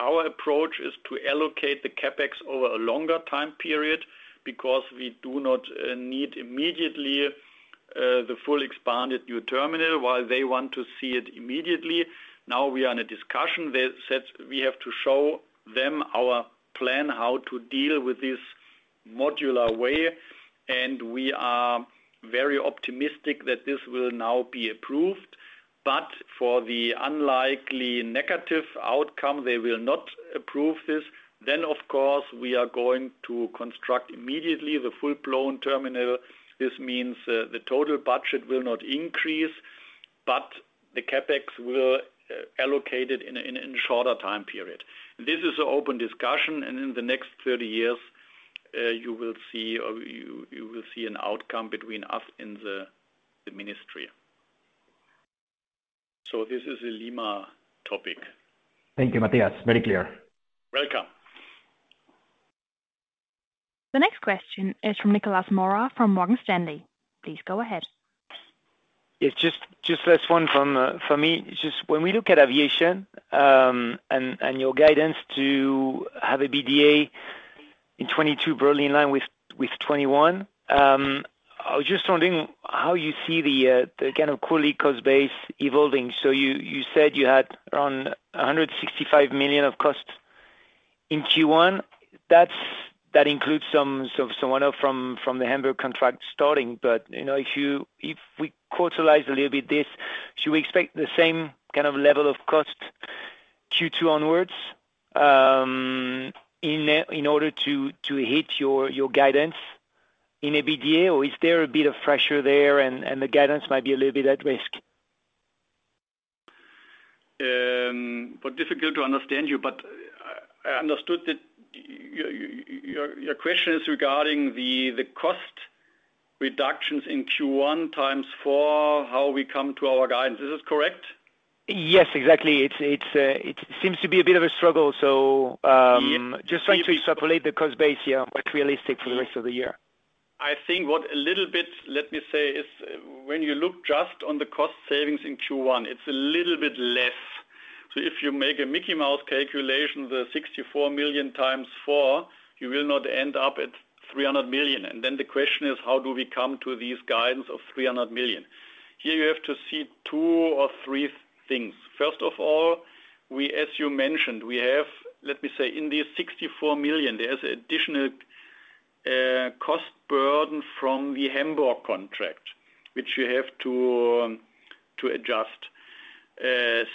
our approach is to allocate the CapEx over a longer time period because we do not need immediately the full expanded new terminal while they want to see it immediately. Now we are in a discussion. They said we have to show them our plan, how to deal with this modular way, and we are very optimistic that this will now be approved. For the unlikely negative outcome, they will not approve this. Of course, we are going to construct immediately the full-blown terminal. This means, the total budget will not increase, but the CapEx will allocate it in a shorter time period. This is an open discussion, and in the next 30 years, you will see an outcome between us and the Ministry. This is a Lima topic. Thank you, Matthias. Very clear. Welcome. The next question is from Nicolas Mora from Morgan Stanley. Please go ahead. Yes. Just last one from me. Just when we look at aviation, and your guidance to have an EBITDA in 2022 broadly in line with 2021, I was just wondering how you see the kind of full cost base evolving. So you said you had around 165 million of costs in Q1. That includes some one off from the Hamburg contract starting. But you know, if we quartalize a little bit this, should we expect the same kind of level of cost Q2 onwards, in order to hit your guidance in EBITDA or is there a bit of pressure there and the guidance might be a little bit at risk? Difficult to understand you, but I understood that your question is regarding the cost reductions in Q1 times four, how we come to our guidance. Is this correct? Yes, exactly. It's a bit of a struggle. Just trying to extrapolate the cost base here, but realistic for the rest of the year. I think what a little bit, let me say, is when you look just on the cost savings in Q1, it's a little bit less. If you make a Mickey Mouse calculation, the 64 million times four, you will not end up at 300 million. The question is, how do we come to these guidance of 300 million? Here, you have to see two or three things. First of all, we as you mentioned, we have, let me say, in these 64 million, there's additional cost burden from the Hamburg contract, which you have to adjust.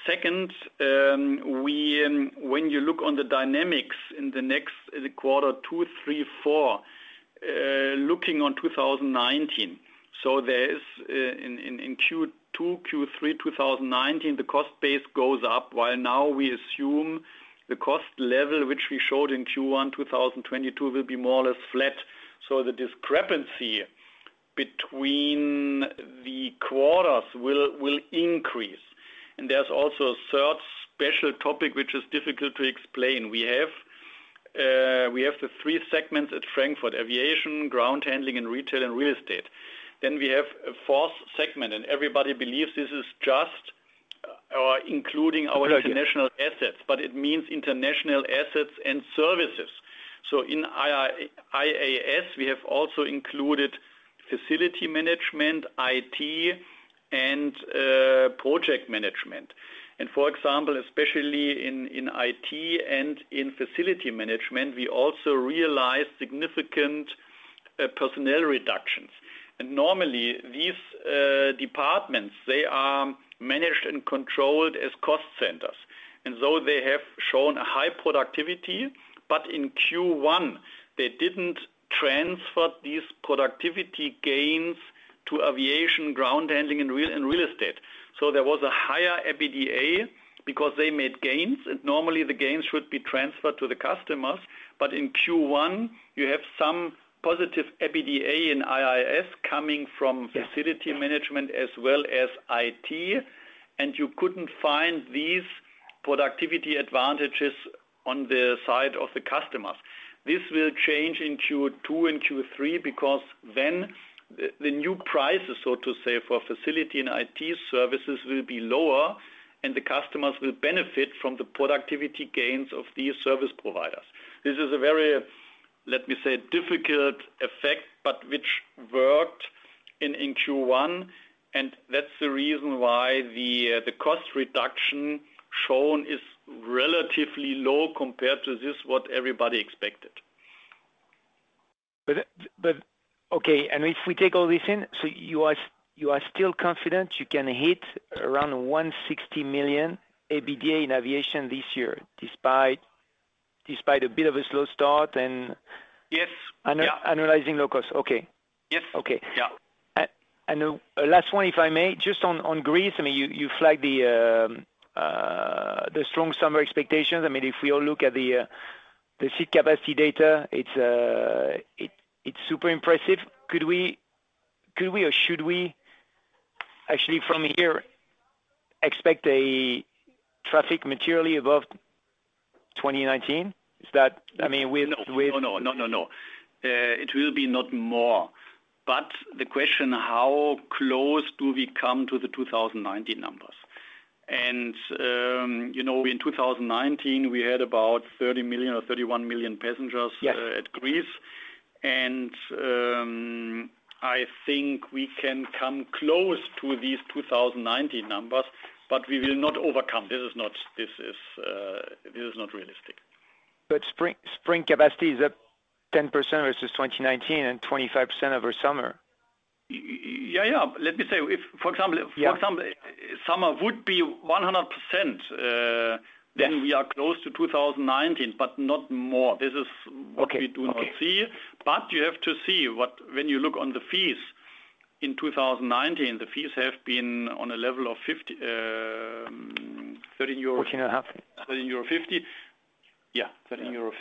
Second, when you look on the dynamics in the next quarter, two, three, four, looking on 2019. There is in Q2, Q3 2019, the cost base goes up, while now we assume the cost level, which we showed in Q1 2022 will be more or less flat. The discrepancy between the quarters will increase. There's also a third special topic, which is difficult to explain. We have the three segments at Frankfurt: aviation, ground handling, and retail and real estate. Then we have a fourth segment, and everybody believes this is just including our international assets, but it means international assets and services. In IAS, we have also included facility management, IT, and project management. For example, especially in IT and in facility management, we also realize significant personnel reductions. Normally, these departments, they are managed and controlled as cost centers. They have shown high productivity. In Q1, they didn't transfer these productivity gains to aviation ground handling and real estate. There was a higher EBITDA because they made gains, and normally the gains would be transferred to the customers. In Q1, you have some positive EBITDA in IAS coming from facility management as well as IT, and you couldn't find these productivity advantages on the side of the customers. This will change in Q2 and Q3 because then the new prices, so to say, for facility and IT services will be lower, and the customers will benefit from the productivity gains of these service providers. This is a very, let me say, difficult effect, but which worked in Q1, and that's the reason why the cost reduction shown is relatively low compared to what everybody expected. Okay, if we take all this in, you are still confident you can hit around 160 million EBITDA in aviation this year, despite a bit of a slow start and- Yes. Analyzing low cost. Okay. Yes. Okay. Yeah. Last one, if I may, just on Greece. I mean, you flagged the strong summer expectations. I mean, if we all look at the seat capacity data, it's super impressive. Could we or should we actually from here expect a traffic materially above 2019? Is that. I mean, we've No. It will be not more. The question, how close do we come to the 2019 numbers? You know, in 2019, we had about 30 million or 31 million passengers- Yeah. In Greece. I think we can come close to these 2019 numbers, but we will not overcome. This is not realistic. Spring capacity is up 10% versus 2019 and 25% over summer. Yeah. Let me say, if, for example. Yeah. For example, summer would be 100%. Yeah. We are close to 2019, but not more. This is what we do not see. Okay, okay. You have to see when you look on the fees in 2019, the fees have been on a level of 51.13 euro. 14.5. 13.50 euro. Yeah. 13.50 euro.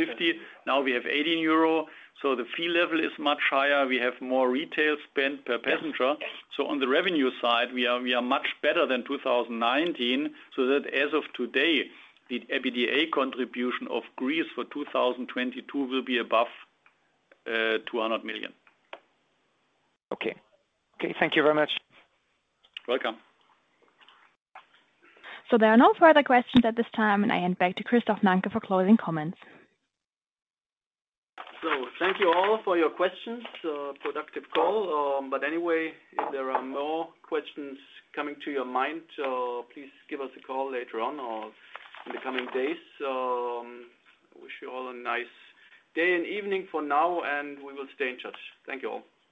Now we have 18 euro. So the fee level is much higher. We have more retail spend per passenger. Yes. On the revenue side, we are much better than 2019, so that as of today, the EBITDA contribution of Greece for 2022 will be above 200 million. Okay, thank you very much. Welcome. There are no further questions at this time, and I hand back to Christoph Nanke for closing comments. Thank you all for your questions. Productive call. Anyway, if there are more questions coming to your mind, please give us a call later on or in the coming days. I wish you all a nice day and evening for now, and we will stay in touch. Thank you all.